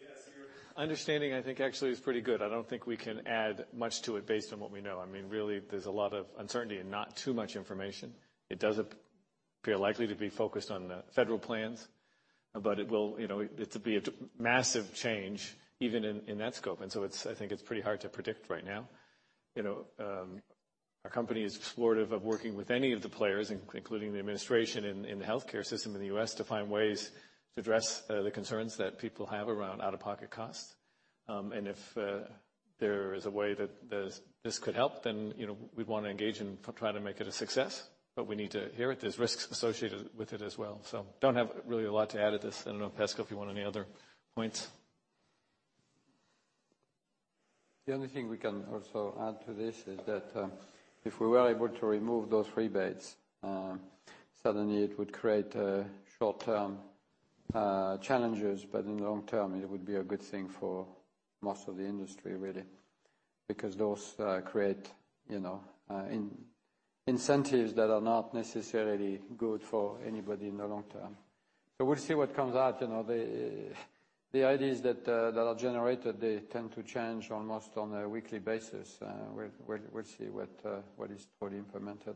Yes. Your understanding, I think, actually is pretty good. I don't think we can add much to it based on what we know. Really, there's a lot of uncertainty and not too much information. It does appear likely to be focused on the federal plans. It will be a massive change even in that scope. I think it's pretty hard to predict right now. Our company is supportive of working with any of the players, including the administration in the healthcare system in the U.S., to find ways to address the concerns that people have around out-of-pocket costs. If there is a way that this could help, then we'd want to engage and try to make it a success. We need to hear it. There's risks associated with it as well. Don't have really a lot to add to this. I don't know, Pascal, if you want any other points. The only thing we can also add to this is that, if we were able to remove those rebates, suddenly it would create short-term challenges. In the long term, it would be a good thing for most of the industry, really, because those create incentives that are not necessarily good for anybody in the long term. We'll see what comes out. The ideas that are generated, they tend to change almost on a weekly basis. We'll see what is fully implemented.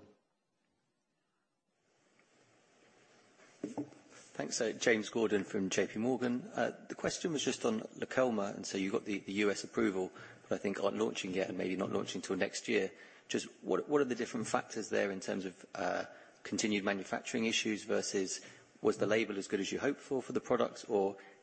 Thanks. James Gordon from J.P. Morgan. The question was just on [Nucala], you got the U.S. approval, but I think aren't launching yet, and maybe not launching till next year. Just what are the different factors there in terms of continued manufacturing issues versus was the label as good as you hoped for the products?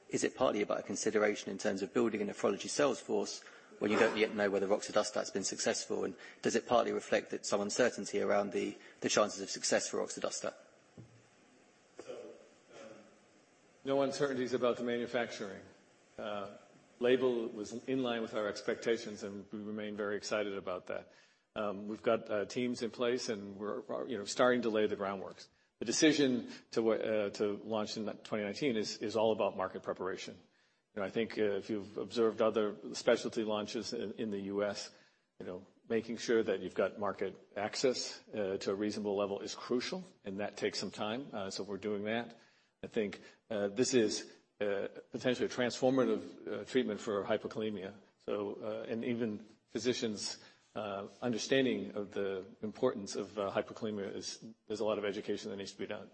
Is it partly about a consideration in terms of building a nephrology sales force when you don't yet know whether roxadustat's been successful? Does it partly reflect that some uncertainty around the chances of success for roxadustat? No uncertainties about the manufacturing. Label was in line with our expectations, we remain very excited about that. We've got teams in place and we're starting to lay the groundworks. The decision to launch in 2019 is all about market preparation. I think if you've observed other specialty launches in the U.S., making sure that you've got market access to a reasonable level is crucial, and that takes some time. We're doing that. I think this is potentially a transformative treatment for hyperkalemia. Even physicians' understanding of the importance of hyperkalemia, there's a lot of education that needs to be done.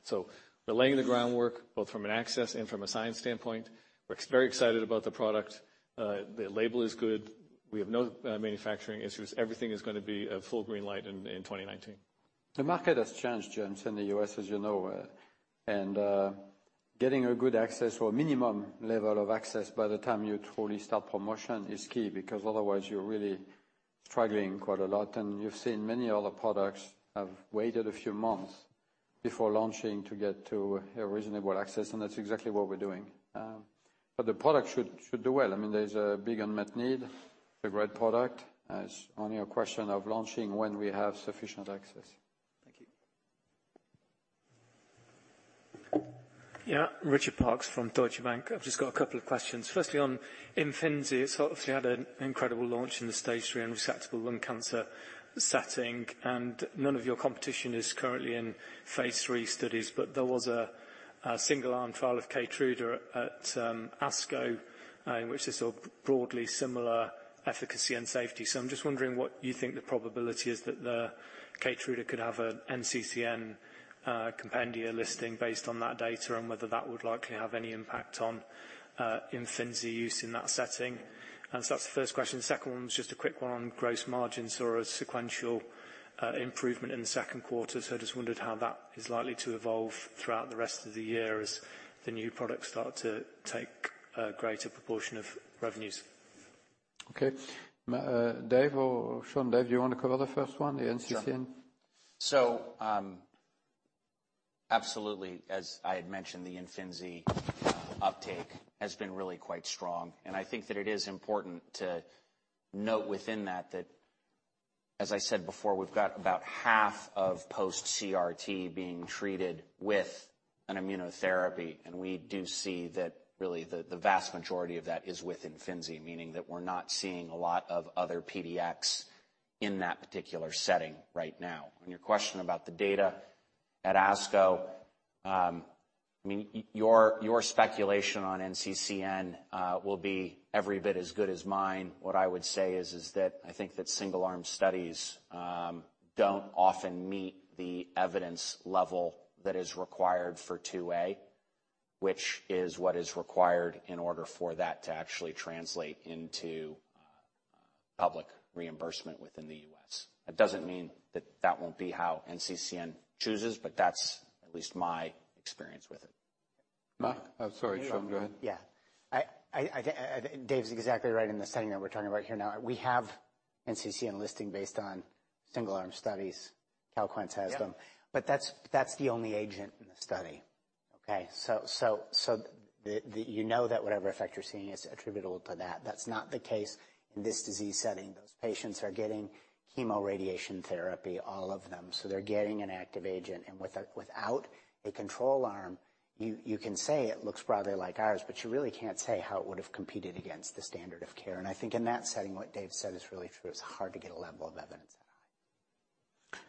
We're laying the groundwork both from an access and from a science standpoint. We're very excited about the product. The label is good. We have no manufacturing issues. Everything is going to be a full green light in 2019. The market has changed, James, in the U.S., as you know. Getting a good access or minimum level of access by the time you truly start promotion is key, because otherwise you're really struggling quite a lot. You've seen many other products have waited a few months before launching to get to a reasonable access, and that's exactly what we're doing. The product should do well. There's a big unmet need, a great product. It's only a question of launching when we have sufficient access. Thank you. Yeah. Richard Parkes from Deutsche Bank. I've just got a couple of questions. Firstly, on Imfinzi, it's obviously had an incredible launch in the Stage III and resectable lung cancer setting, and none of your competition is currently in phase III studies, but there was a single arm trial of KEYTRUDA at ASCO, in which there's broadly similar efficacy and safety. I'm just wondering what you think the probability is that KEYTRUDA could have an NCCN compendia listing based on that data, and whether that would likely have any impact on Imfinzi use in that setting. That's the first question. Second one is just a quick one on growth margins or a sequential improvement in the second quarter. I just wondered how that is likely to evolve throughout the rest of the year as the new products start to take a greater proportion of revenues. Okay. Dave or Sean? Dave, do you want to cover the first one, the NCCN? Sure. Absolutely, as I had mentioned, the Imfinzi uptake has been really quite strong. I think that it is important to note within that as I said before, we've got about half of post CRT being treated with an immunotherapy, and we do see that really the vast majority of that is with Imfinzi, meaning that we're not seeing a lot of other PDX in that particular setting right now. On your question about the data at ASCO, your speculation on NCCN will be every bit as good as mine. What I would say is that I think that single arm studies don't often meet the evidence level that is required for 2, which is what is required in order for that to actually translate into public reimbursement within the U.S. That doesn't mean that won't be how NCCN chooses, but that's at least my experience with it. Mark? I'm sorry, Sean, go ahead. Yeah. Dave's exactly right in the setting that we're talking about here now. We have NCCN listing based on single arm studies. CALQUENCE has them. Yeah. That's the only agent in the study. Okay? You know that whatever effect you're seeing is attributable to that. That's not the case in this disease setting. Those patients are getting chemo radiation therapy, all of them. They're getting an active agent, without a control arm, you can say it looks broadly like ours, but you really can't say how it would have competed against the standard of care. I think in that setting, what Dave said is really true. It's hard to get a level of evidence that high.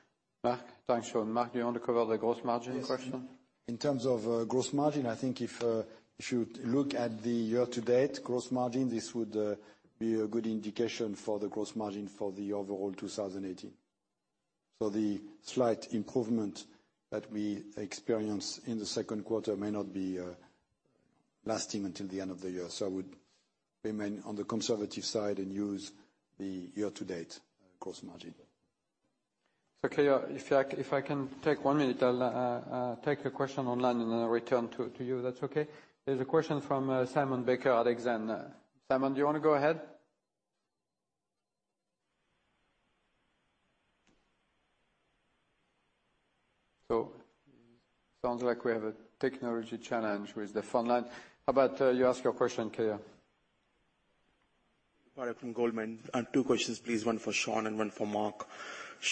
Mark. Thanks, Sean. Mark, do you want to cover the gross margin question? Yes. In terms of gross margin, I think if you look at the year-to-date gross margin, this would be a good indication for the gross margin for the overall 2018. The slight improvement that we experience in the second quarter may not be lasting until the end of the year. I would remain on the conservative side and use the year-to-date gross margin. Okay. If I can take one minute, I'll take a question online and then I'll return to you, if that's okay. There's a question from Simon Baker at Exane. Simon, do you want to go ahead? Sounds like we have a technology challenge with the phone line. How about you ask your question, [Kia?] Parag from Goldman Sachs. Two questions, please. One for Sean and one for Mark.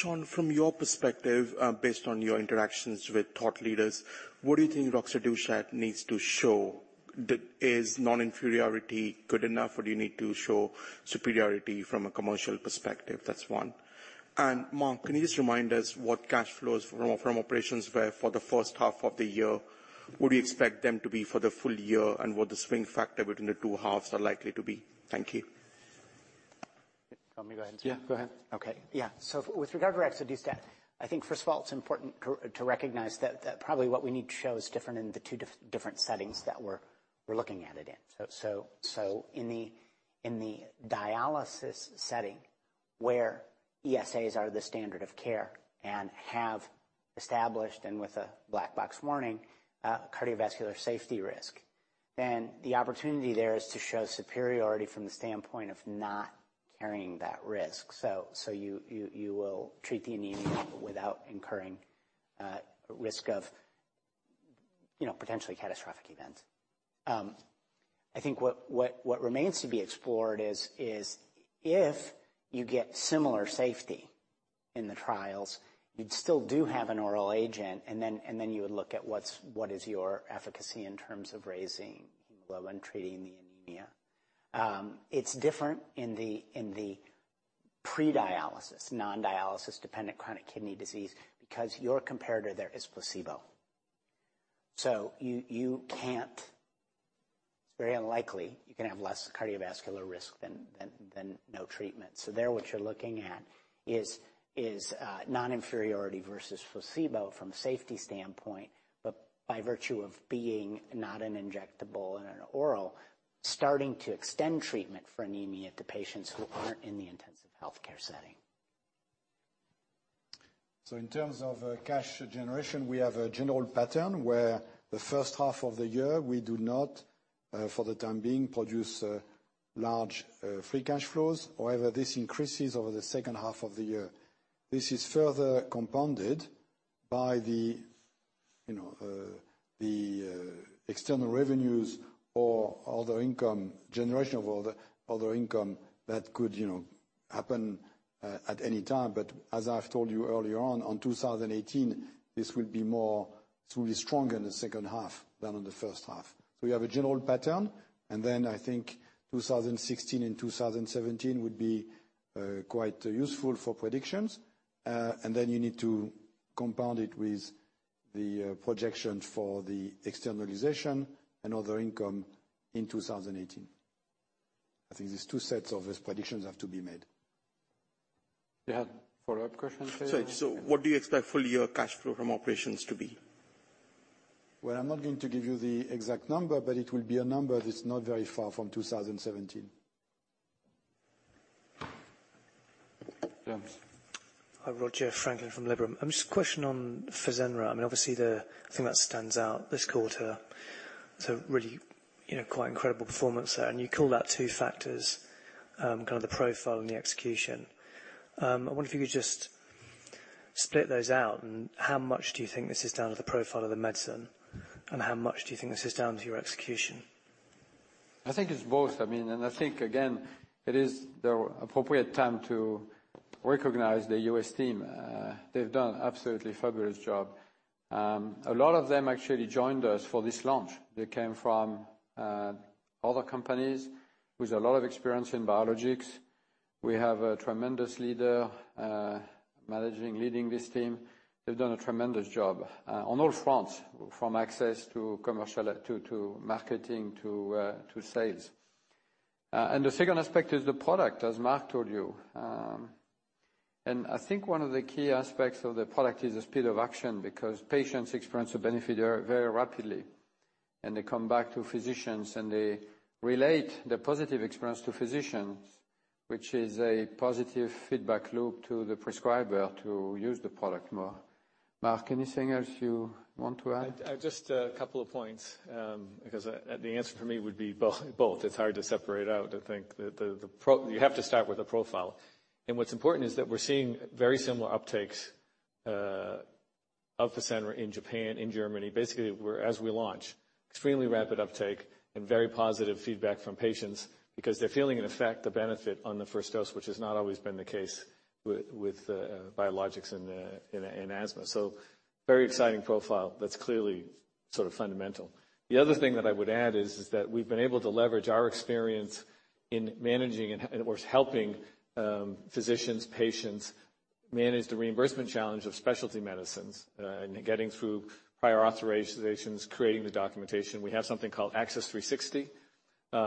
Sean, from your perspective, based on your interactions with thought leaders, what do you think roxadustat needs to show? Is non-inferiority good enough or do you need to show superiority from a commercial perspective? That's one. Mark, can you just remind us what cash flows from operations were for the first half of the year? Would you expect them to be for the full year, and what the swing factor between the two halves are likely to be? Thank you. You want me to go ahead? Yeah, go ahead. Okay. Yeah. With regard to roxadustat, I think first of all it's important to recognize that probably what we need to show is different in the two different settings that we're looking at it in. In the dialysis setting where ESAs are the standard of care and have established, and with a black box warning, a cardiovascular safety risk, then the opportunity there is to show superiority from the standpoint of not carrying that risk. You will treat the anemia without incurring risk of potentially catastrophic event. I think what remains to be explored is if you get similar safety in the trials, you'd still do have an oral agent, and then you would look at what is your efficacy in terms of raising hemoglobin, treating the anemia. It's different in the pre-dialysis, non-dialysis dependent chronic kidney disease, because your comparator there is placebo. It's very unlikely you can have less cardiovascular risk than no treatment. There what you're looking at is non-inferiority versus placebo from safety standpoint, but by virtue of being not an injectable and an oral, starting to extend treatment for anemia to patients who aren't in the intensive healthcare setting. In terms of cash generation, we have a general pattern where the first half of the year, we do not, for the time being, produce large free cash flows. However, this increases over the second half of the year. This is further compounded by the external revenues or other income generation, of all the other income that could happen at any time. As I've told you earlier on 2018, this will be stronger in the second half than in the first half. We have a general pattern, then I think 2016 and 2017 would be quite useful for predictions. Then you need to compound it with the projection for the externalization and other income in 2018. I think these two sets of these predictions have to be made. You had a follow-up question? Sorry. What do you expect full year cash flow from operations to be? Well, I'm not going to give you the exact number, but it will be a number that's not very far from 2017. James. Hi, Roger Franklin from Liberum. Just a question on FASENRA. The thing that stands out this quarter, it's a really quite incredible performance there, and you call that two factors, kind of the profile and the execution. I wonder if you could just split those out and how much do you think this is down to the profile of the medicine, and how much do you think this is down to your execution? I think it's both. I mean, I think, again, it is the appropriate time to recognize the U.S. team. They've done absolutely fabulous job. A lot of them actually joined us for this launch. They came from other companies with a lot of experience in biologics. We have a tremendous leader, managing, leading this team. They've done a tremendous job on all fronts, from access to commercial, to marketing, to sales. The second aspect is the product, as Mark told you. I think one of the key aspects of the product is the speed of action because patients experience the benefit very rapidly, and they come back to physicians and they relate the positive experience to physicians, which is a positive feedback loop to the prescriber to use the product more. Mark, anything else you want to add? Just a couple of points, because the answer for me would be both. It's hard to separate out. I think you have to start with the profile. What's important is that we're seeing very similar uptakes of FASENRA in Japan, in Germany. Basically, as we launch, extremely rapid uptake and very positive feedback from patients because they're feeling an effect, the benefit on the first dose, which has not always been the case with biologics in asthma. Very exciting profile that's clearly sort of fundamental. The other thing that I would add is that we've been able to leverage our experience in managing and of course, helping physicians, patients manage the reimbursement challenge of specialty medicines, and getting through prior authorizations, creating the documentation. We have something called Access 360,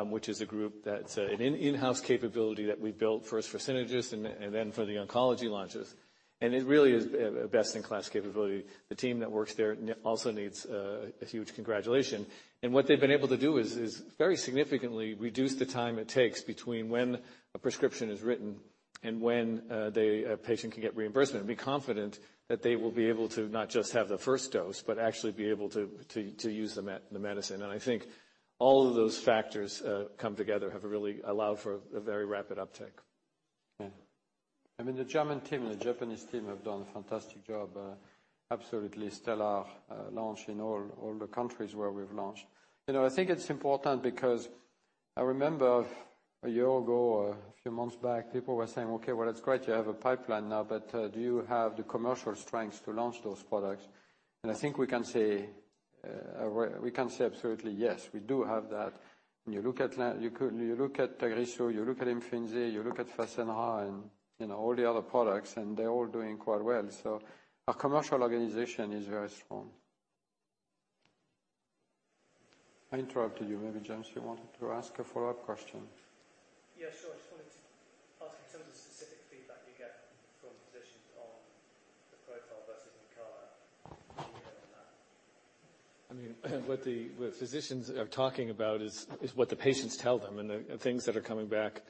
which is a group that's an in-house capability that we built first for Synagis and then for the oncology launches. It really is a best-in-class capability. The team that works there also needs a huge congratulations. What they've been able to do is very significantly reduce the time it takes between when a prescription is written and when a patient can get reimbursement and be confident that they will be able to not just have the first dose, but actually be able to use the medicine. I think all of those factors come together have really allowed for a very rapid uptake. Yeah. I mean, the German team and the Japanese team have done a fantastic job, absolutely stellar launch in all the countries where we've launched. I think it's important because I remember a year ago, a few months back, people were saying, "Okay, well, it's great you have a pipeline now, but do you have the commercial strength to launch those products?" I think we can say absolutely yes, we do have that. When you look at TAGRISSO, you look at Imfinzi, you look at FASENRA and all the other products, and they're all doing quite well. Our commercial organization is very strong. I interrupted you. Maybe, James, you wanted to ask a follow-up question. Yeah, sure. I just wanted to ask in terms of specific feedback you get from physicians on the profile versus Nucala, can you elaborate on that? I mean, what physicians are talking about is what the patients tell them and the things that are coming back.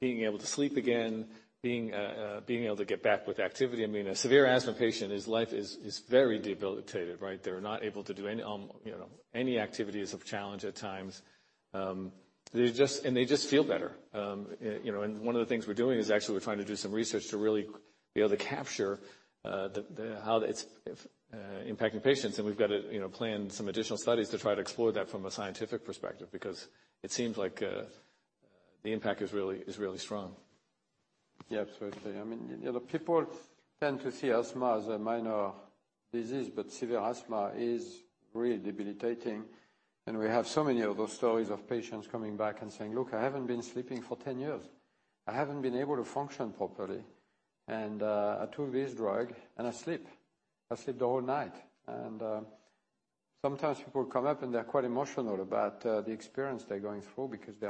Being able to sleep again, being able to get back with activity. I mean, a severe asthma patient, his life is very debilitative, right? They're not able to do any activity is of challenge at times. They just feel better. One of the things we're doing is actually we're trying to do some research to really be able to capture how it's impacting patients. We've got to plan some additional studies to try to explore that from a scientific perspective, because it seems like the impact is really strong. Yeah, absolutely. I mean, people tend to see asthma as a minor disease, but severe asthma is really debilitating. We have so many of those stories of patients coming back and saying, "Look, I haven't been sleeping for 10 years. I haven't been able to function properly. I took this drug, and I sleep. I sleep the whole night." Sometimes people come up and they're quite emotional about the experience they're going through because they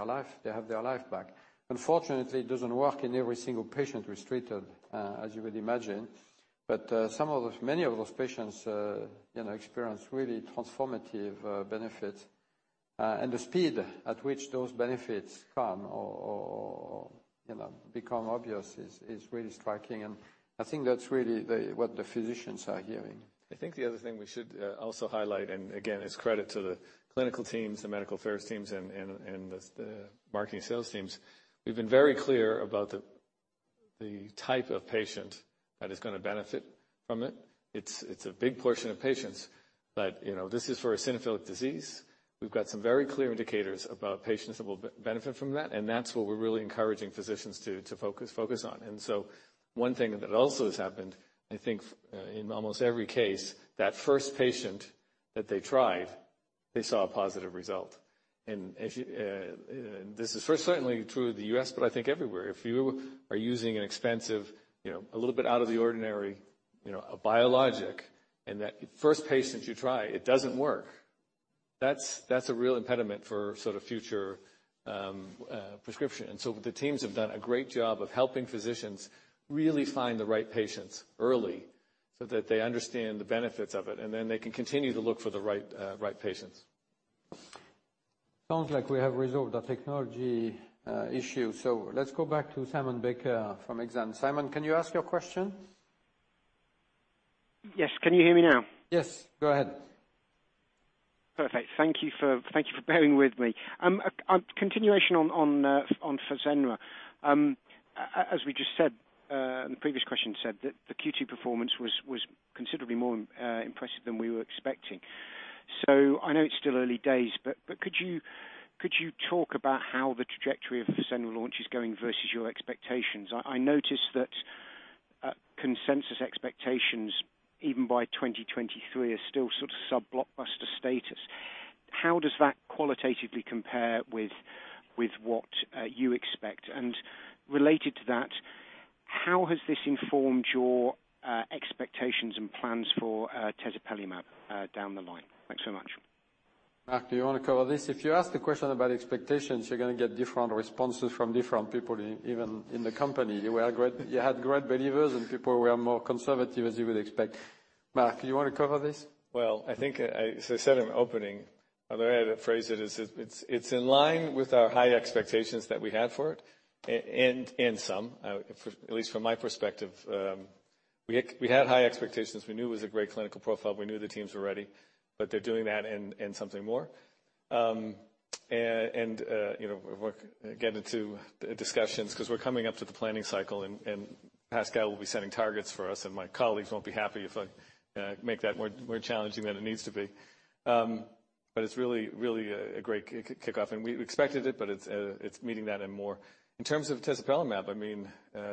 have their life back. Unfortunately, it doesn't work in every single patient who is treated, as you would imagine. Many of those patients experience really transformative benefits. The speed at which those benefits come or become obvious is really striking. I think that's really what the physicians are hearing. I think the other thing we should also highlight. Again, it's credit to the clinical teams, the medical affairs teams, and the marketing sales teams. We've been very clear about the type of patient that is going to benefit from it. It's a big portion of patients, but this is for eosinophilic disease. We've got some very clear indicators about patients that will benefit from that. That's what we're really encouraging physicians to focus on. One thing that also has happened, I think, in almost every case, that first patient that they tried, they saw a positive result. This is certainly true of the U.S., but I think everywhere. If you are using an expensive, a little bit out of the ordinary, a biologic, that first patient you try, it doesn't work. That's a real impediment for sort of future prescription. The teams have done a great job of helping physicians really find the right patients early so that they understand the benefits of it, then they can continue to look for the right patients. Sounds like we have resolved the technology issue. Let's go back to Simon Baker from Exane. Simon, can you ask your question? Yes. Can you hear me now? Yes, go ahead. Perfect. Thank you for bearing with me. Continuation on FASENRA. As we just said, the previous question said that the Q2 performance was considerably more impressive than we were expecting. I know it's still early days, but could you talk about how the trajectory of FASENRA launch is going versus your expectations? I noticed that consensus expectations, even by 2023, are still sort of sub-blockbuster status. How does that qualitatively compare with what you expect? Related to that, how has this informed your expectations and plans for tezepelumab down the line? Thanks so much. Mark, do you want to cover this? If you ask the question about expectations, you're going to get different responses from different people, even in the company. You had great believers and people who are more conservative, as you would expect. Mark, you want to cover this? I think, as I said in the opening, another way to phrase it is, it's in line with our high expectations that we had for it, and some. At least from my perspective, we had high expectations. We knew it was a great clinical profile. We knew the teams were ready. They're doing that and something more. We're getting into discussions because we're coming up to the planning cycle, and Pascal will be setting targets for us, and my colleagues won't be happy if I make that more challenging than it needs to be. It's really a great kickoff, and we expected it, but it's meeting that and more. In terms of tezepelumab,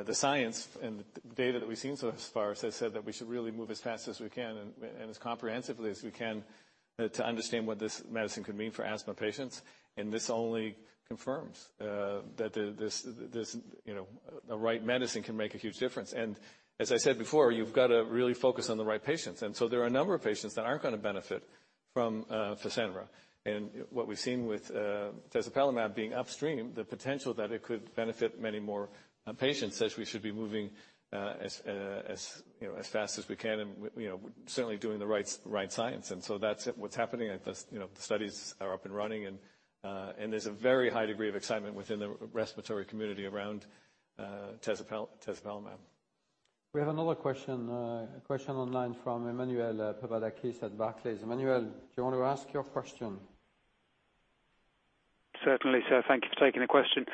the science and data that we've seen thus far has said that we should really move as fast as we can and as comprehensively as we can to understand what this medicine could mean for asthma patients. This only confirms that the right medicine can make a huge difference. As I said before, you've got to really focus on the right patients. There are a number of patients that aren't going to benefit from FASENRA. What we've seen with tezepelumab being upstream, the potential that it could benefit many more patients says we should be moving as fast as we can and certainly doing the right science. That's what's happening. The studies are up and running, and there's a very high degree of excitement within the respiratory community around tezepelumab. We have another question online from Emmanuel Papadakis at Barclays. Emmanuel, do you want to ask your question? Certainly, sir. Thank you for taking the question.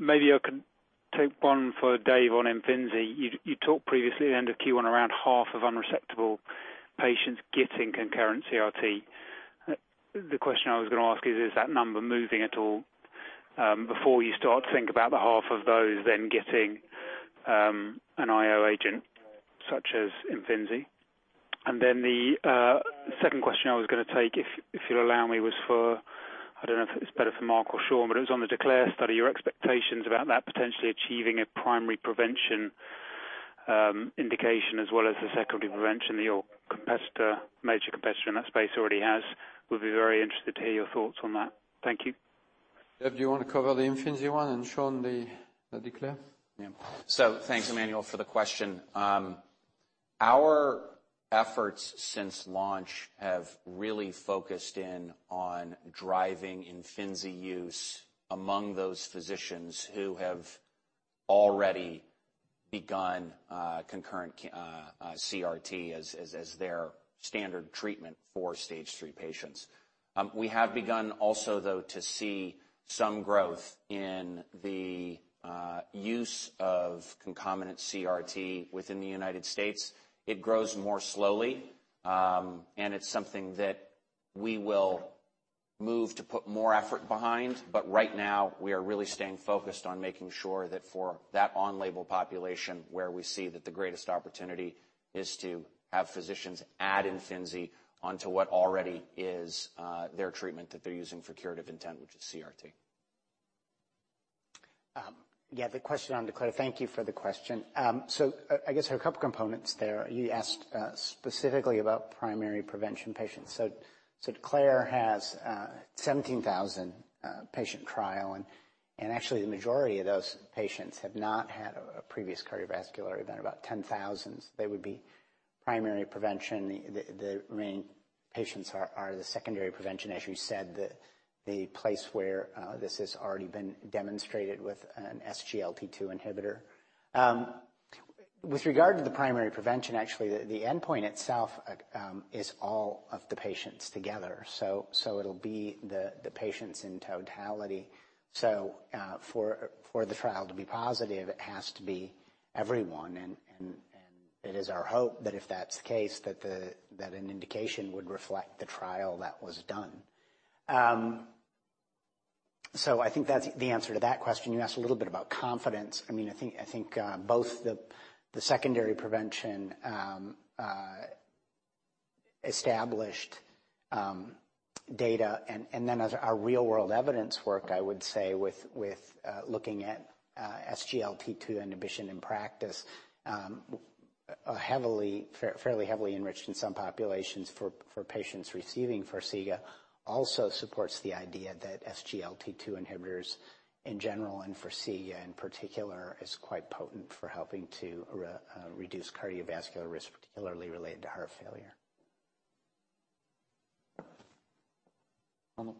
Maybe I could take one for Dave on Imfinzi. You talked previously at the end of Q1, around half of unresectable patients getting concurrent CRT. The question I was going to ask is that number moving at all? Before you start to think about the half of those then getting an IO agent such as Imfinzi. The second question I was going to take, if you'll allow me, was for, I don't know if it's better for Mark or Sean, but it was on the DECLARE study, your expectations about that potentially achieving a primary prevention indication as well as the secondary prevention that your competitor, major competitor in that space already has. Would be very interested to hear your thoughts on that. Thank you. Dave, do you want to cover the Imfinzi one and Sean the DECLARE? Yeah. Thanks, Emmanuel, for the question. Our efforts since launch have really focused in on driving Imfinzi use among those physicians who have already begun concurrent CRT as their standard treatment for stage 3 patients. We have begun also, though, to see some growth in the use of concomitant CRT within the U.S. It grows more slowly, and it's something that we will move to put more effort behind. Right now, we are really staying focused on making sure that for that on-label population where we see that the greatest opportunity is to have physicians add Imfinzi onto what already is their treatment that they're using for curative intent, which is CRT. Yeah, the question on DECLARE, thank you for the question. I guess there are a couple components there. You asked specifically about primary prevention patients. DECLARE has a 17,000-patient trial, and actually the majority of those patients have not had a previous cardiovascular event. About 10,000, they would be primary prevention, the remaining patients are the secondary prevention, as you said, the place where this has already been demonstrated with an SGLT2 inhibitor. With regard to the primary prevention, actually, the endpoint itself is all of the patients together. It'll be the patients in totality. For the trial to be positive, it has to be everyone. It is our hope that if that's the case, that an indication would reflect the trial that was done. I think that's the answer to that question. You asked a little bit about confidence. I think both the secondary prevention established data and then our real-world evidence work, I would say, with looking at SGLT2 inhibition in practice, fairly heavily enriched in some populations for patients receiving FARXIGA, also supports the idea that SGLT2 inhibitors in general, and FARXIGA in particular, is quite potent for helping to reduce cardiovascular risk, particularly related to heart failure. Andrew.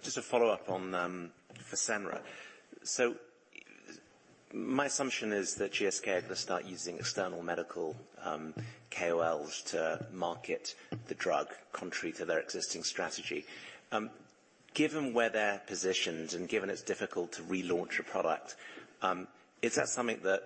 Just a follow-up on FASENRA. My assumption is that GSK are going to start using external medical KOLs to market the drug contrary to their existing strategy. Given where they're positioned and given it's difficult to relaunch a product, is that something that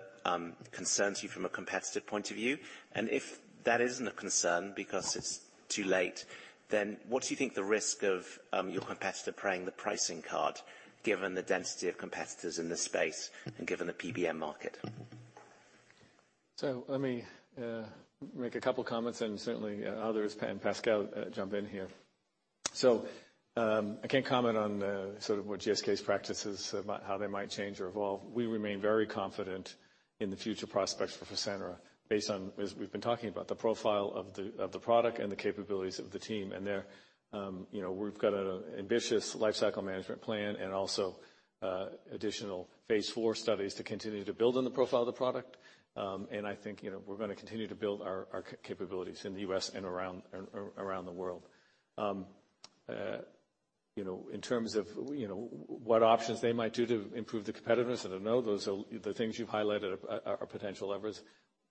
concerns you from a competitive point of view? If that isn't a concern because it's too late, then what do you think the risk of your competitor playing the pricing card, given the density of competitors in this space and given the PBM market? Let me make a couple comments and certainly others, Pascal, jump in here. I can't comment on sort of what GSK's practices, about how they might change or evolve. We remain very confident in the future prospects for FASENRA based on, as we've been talking about, the profile of the product and the capabilities of the team. We've got an ambitious lifecycle management plan and also additional phase IV studies to continue to build on the profile of the product. I think we're going to continue to build our capabilities in the U.S. and around the world. In terms of what options they might do to improve the competitiveness. I don't know. The things you've highlighted are potential levers.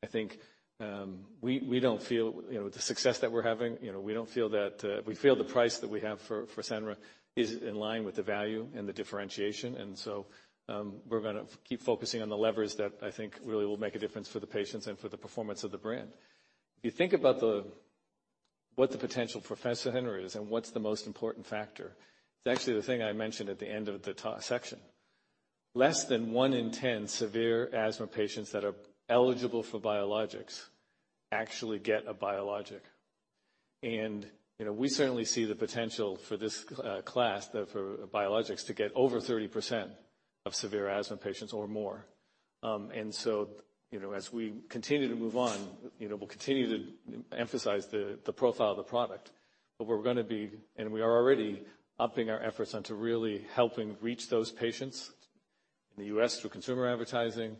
With the success that we're having, we feel the price that we have for FASENRA is in line with the value and the differentiation. We're going to keep focusing on the levers that I think really will make a difference for the patients and for the performance of the brand. If you think about what the potential for FASENRA is and what's the most important factor, it's actually the thing I mentioned at the end of the section. Less than one in 10 severe asthma patients that are eligible for biologics actually get a biologic. We certainly see the potential for this class, for biologics to get over 30% of severe asthma patients or more. As we continue to move on, we'll continue to emphasize the profile of the product. But we're going to be, and we are already upping our efforts into really helping reach those patients in the U.S. through consumer advertising,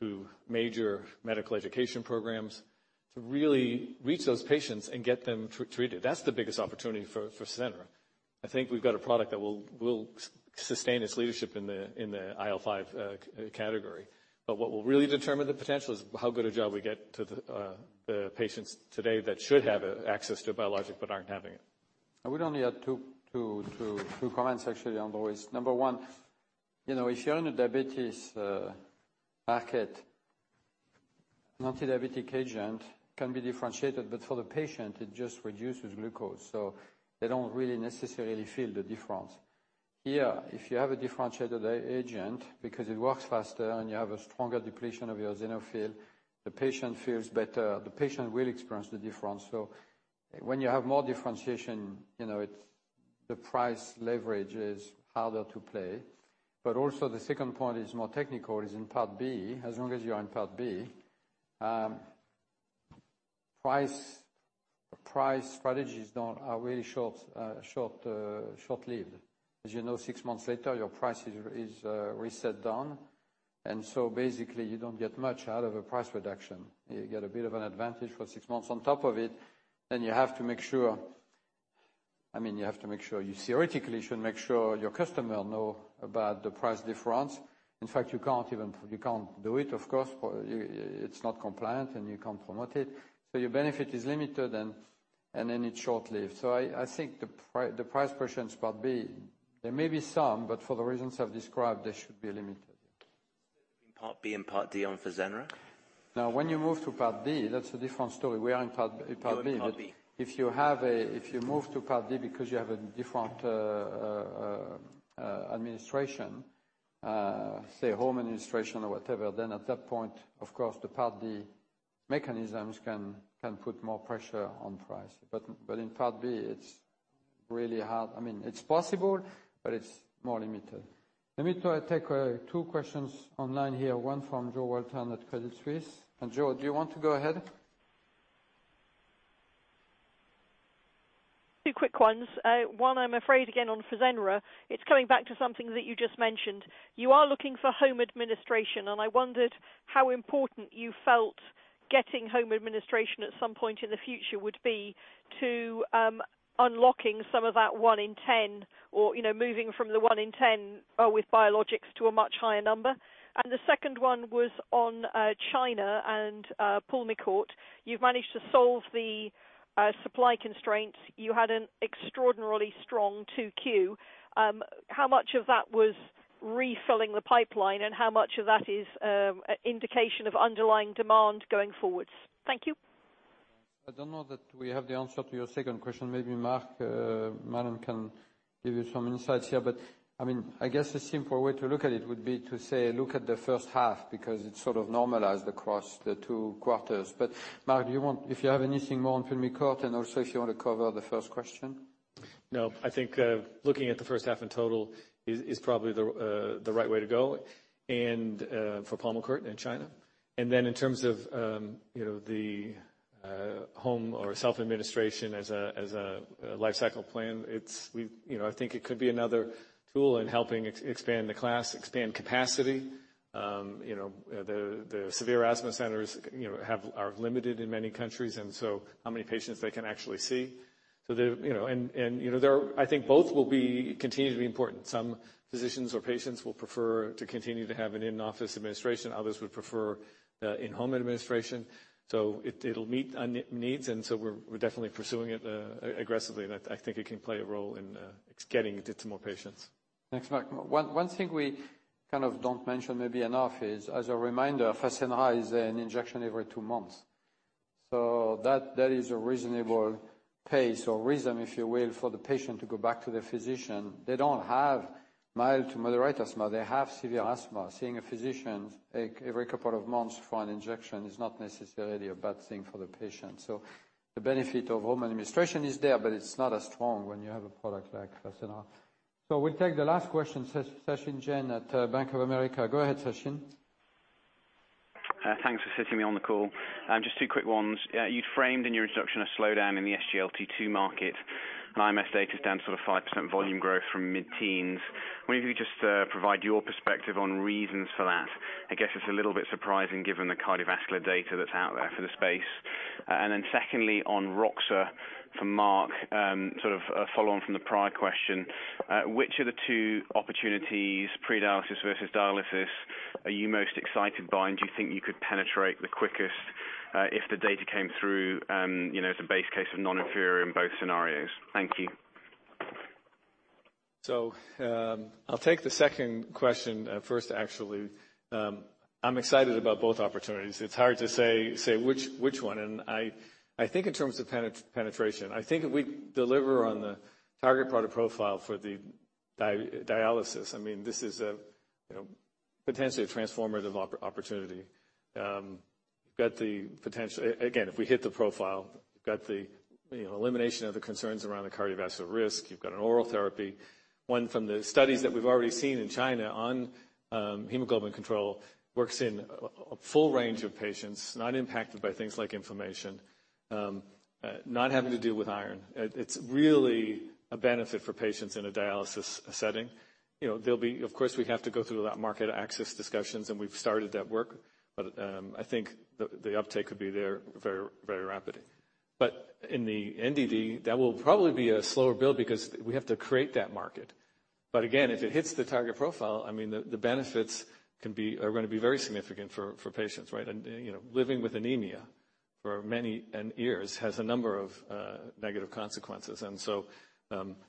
through major medical education programs, to really reach those patients and get them treated. That's the biggest opportunity for FASENRA. I think we've got a product that will sustain its leadership in the IL-5 category. What will really determine the potential is how good a job we get to the patients today that should have access to a biologic but aren't having it. I would only add two comments actually, Andrew. Number one, if you're in the diabetes market, multi-diabetic agent can be differentiated, but for the patient, it just reduces glucose. They don't really necessarily feel the difference. Here, if you have a differentiated agent, because it works faster and you have a stronger depletion of eosinophil, the patient feels better. The patient will experience the difference. When you have more differentiation, the price leverage is harder to play. Also the second point is more technical is in Part B, as long as you're in Part B, price strategies are really short-lived. As you know 6 months later, your price is reset down. Basically, you don't get much out of a price reduction. You get a bit of an advantage for 6 months on top of it. You have to make sure you theoretically should make sure your customer know about the price difference. In fact, you can't do it, of course. It's not compliant, and you can't promote it. Your benefit is limited and then it's short-lived. I think the price pressure in Part B, there may be some, for the reasons I've described, they should be limited. In Part B and Part D on Fasenra? When you move to Part D, that's a different story. We are in Part B. You're in Part B. If you move to Part D because you have a different administration, say home administration or whatever, at that point, of course, the Part D mechanisms can put more pressure on price. In Part B, it's really hard. It's possible, but it's more limited. Let me take two questions online here, one from Jo Walton at Credit Suisse. Jo, do you want to go ahead? Two quick ones. One, I'm afraid again, on FASENRA. It is coming back to something that you just mentioned. You are looking for home administration, and I wondered how important you felt getting home administration at some point in the future would be to unlocking some of that one in 10, or moving from the one in 10 with biologics to a much higher number. The second one was on China and PULMICORT. You have managed to solve the supply constraints. You had an extraordinarily strong 2Q. How much of that was refilling the pipeline, and how much of that is indication of underlying demand going forwards? Thank you. I don't know that we have the answer to your second question. Maybe Mark Mallon can give you some insights here. I guess the simple way to look at it would be to say, look at the first half, because it sort of normalized across the two quarters. Mark, do you have anything more on PULMICORT, and also if you want to cover the first question? No, I think, looking at the first half in total is probably the right way to go for PULMICORT in China. In terms of the home or self-administration as a life cycle plan, I think it could be another tool in helping expand the class, expand capacity. The severe asthma centers are limited in many countries, and how many patients they can actually see. I think both will continue to be important. Some physicians or patients will prefer to continue to have an in-office administration, others would prefer in-home administration. It will meet needs, and we are definitely pursuing it aggressively. I think it can play a role in getting it to more patients. Thanks, Mark. One thing we kind of don't mention maybe enough is, as a reminder, FASENRA is an injection every two months. That is a reasonable pace or reason, if you will, for the patient to go back to the physician. They don't have mild to moderate asthma. They have severe asthma. Seeing a physician every couple of months for an injection is not necessarily a bad thing for the patient. The benefit of home administration is there, but it is not as strong when you have a product like FASENRA. We will take the last question, Sachin Jain at Bank of America. Go ahead, Sachin. Thanks for fitting me on the call. Just two quick ones. You'd framed in your introduction a slowdown in the SGLT2 market. IMS data is down sort of 5% volume growth from mid-teens. I wonder if you could just provide your perspective on reasons for that. I guess it's a little bit surprising given the cardiovascular data that's out there for the space. Secondly, on roxadustat for Mark, sort of a follow-on from the prior question. Which of the two opportunities, pre-dialysis versus dialysis, are you most excited by, and do you think you could penetrate the quickest, if the data came through, as a base case of non-inferior in both scenarios? Thank you. I'll take the second question first, actually. I'm excited about both opportunities. It's hard to say which one. I think in terms of penetration, I think if we deliver on the target product profile for the dialysis, this is potentially a transformative opportunity. Again, if we hit the profile, we've got the elimination of the concerns around the cardiovascular risk. You've got an oral therapy. One from the studies that we've already seen in China on hemoglobin control works in a full range of patients, not impacted by things like inflammation, not having to deal with iron. It's really a benefit for patients in a dialysis setting. Of course, we have to go through that market access discussions, and we've started that work. I think the uptake could be there very rapidly. In the NDD, that will probably be a slower build because we have to create that market. Again, if it hits the target profile, the benefits are going to be very significant for patients. Living with anemia for many years has a number of negative consequences.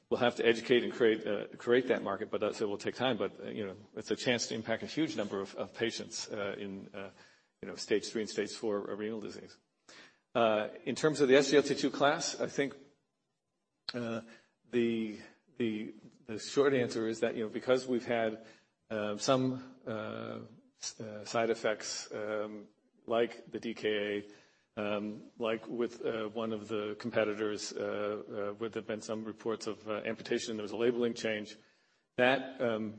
We'll have to educate and create that market, but that will take time. It's a chance to impact a huge number of patients in stage 3 and stage 4 renal disease. In terms of the SGLT2 class, I think the short answer is that because we've had some side effects, like the DKA, like with one of the competitors, where there've been some reports of amputation, there was a labeling change. An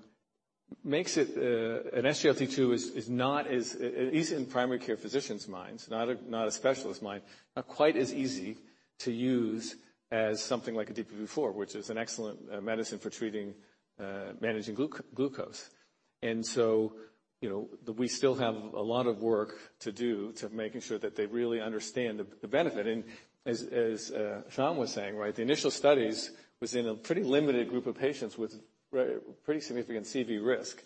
SGLT2 is not as, at least in primary care physicians' minds, not a specialist mind, not quite as easy to use as something like a DPP4, which is an excellent medicine for treating managing glucose. We still have a lot of work to do to making sure that they really understand the benefit. As Sean was saying, the initial studies was in a pretty limited group of patients with pretty significant CV risk.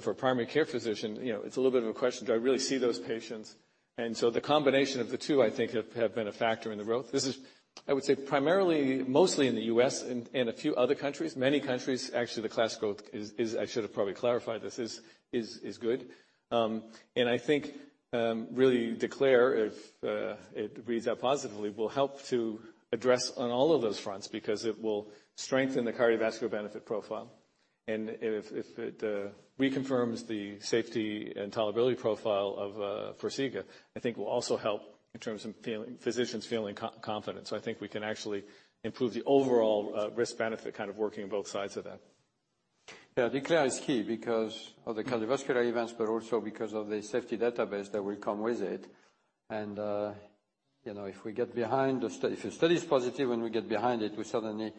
For a primary care physician, it's a little bit of a question, do I really see those patients? The combination of the two, I think, have been a factor in the growth. This is, I would say, primarily, mostly in the U.S. and a few other countries. Many countries, actually, the class growth is, I should have probably clarified this, is good. I think really DECLARE, if it reads out positively, will help to address on all of those fronts because it will strengthen the cardiovascular benefit profile. If it reconfirms the safety and tolerability profile of FARXIGA, I think will also help in terms of physicians feeling confident. I think we can actually improve the overall risk-benefit kind of working on both sides of that. Yeah, DECLARE is key because of the cardiovascular events, but also because of the safety database that will come with it. If the study is positive and we get behind it, we suddenly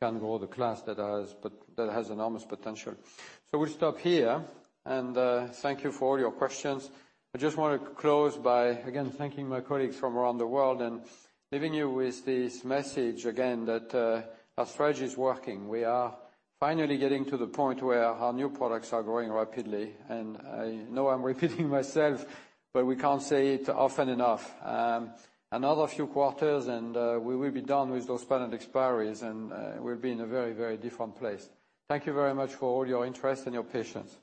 can grow the class that has enormous potential. We'll stop here and thank you for all your questions. I just want to close by, again, thanking my colleagues from around the world and leaving you with this message again, that AstraZeneca is working. We are finally getting to the point where our new products are growing rapidly. I know I'm repeating myself, but we can't say it often enough. Another few quarters and we will be done with those patent expiries, and we'll be in a very, very different place. Thank you very much for all your interest and your patience.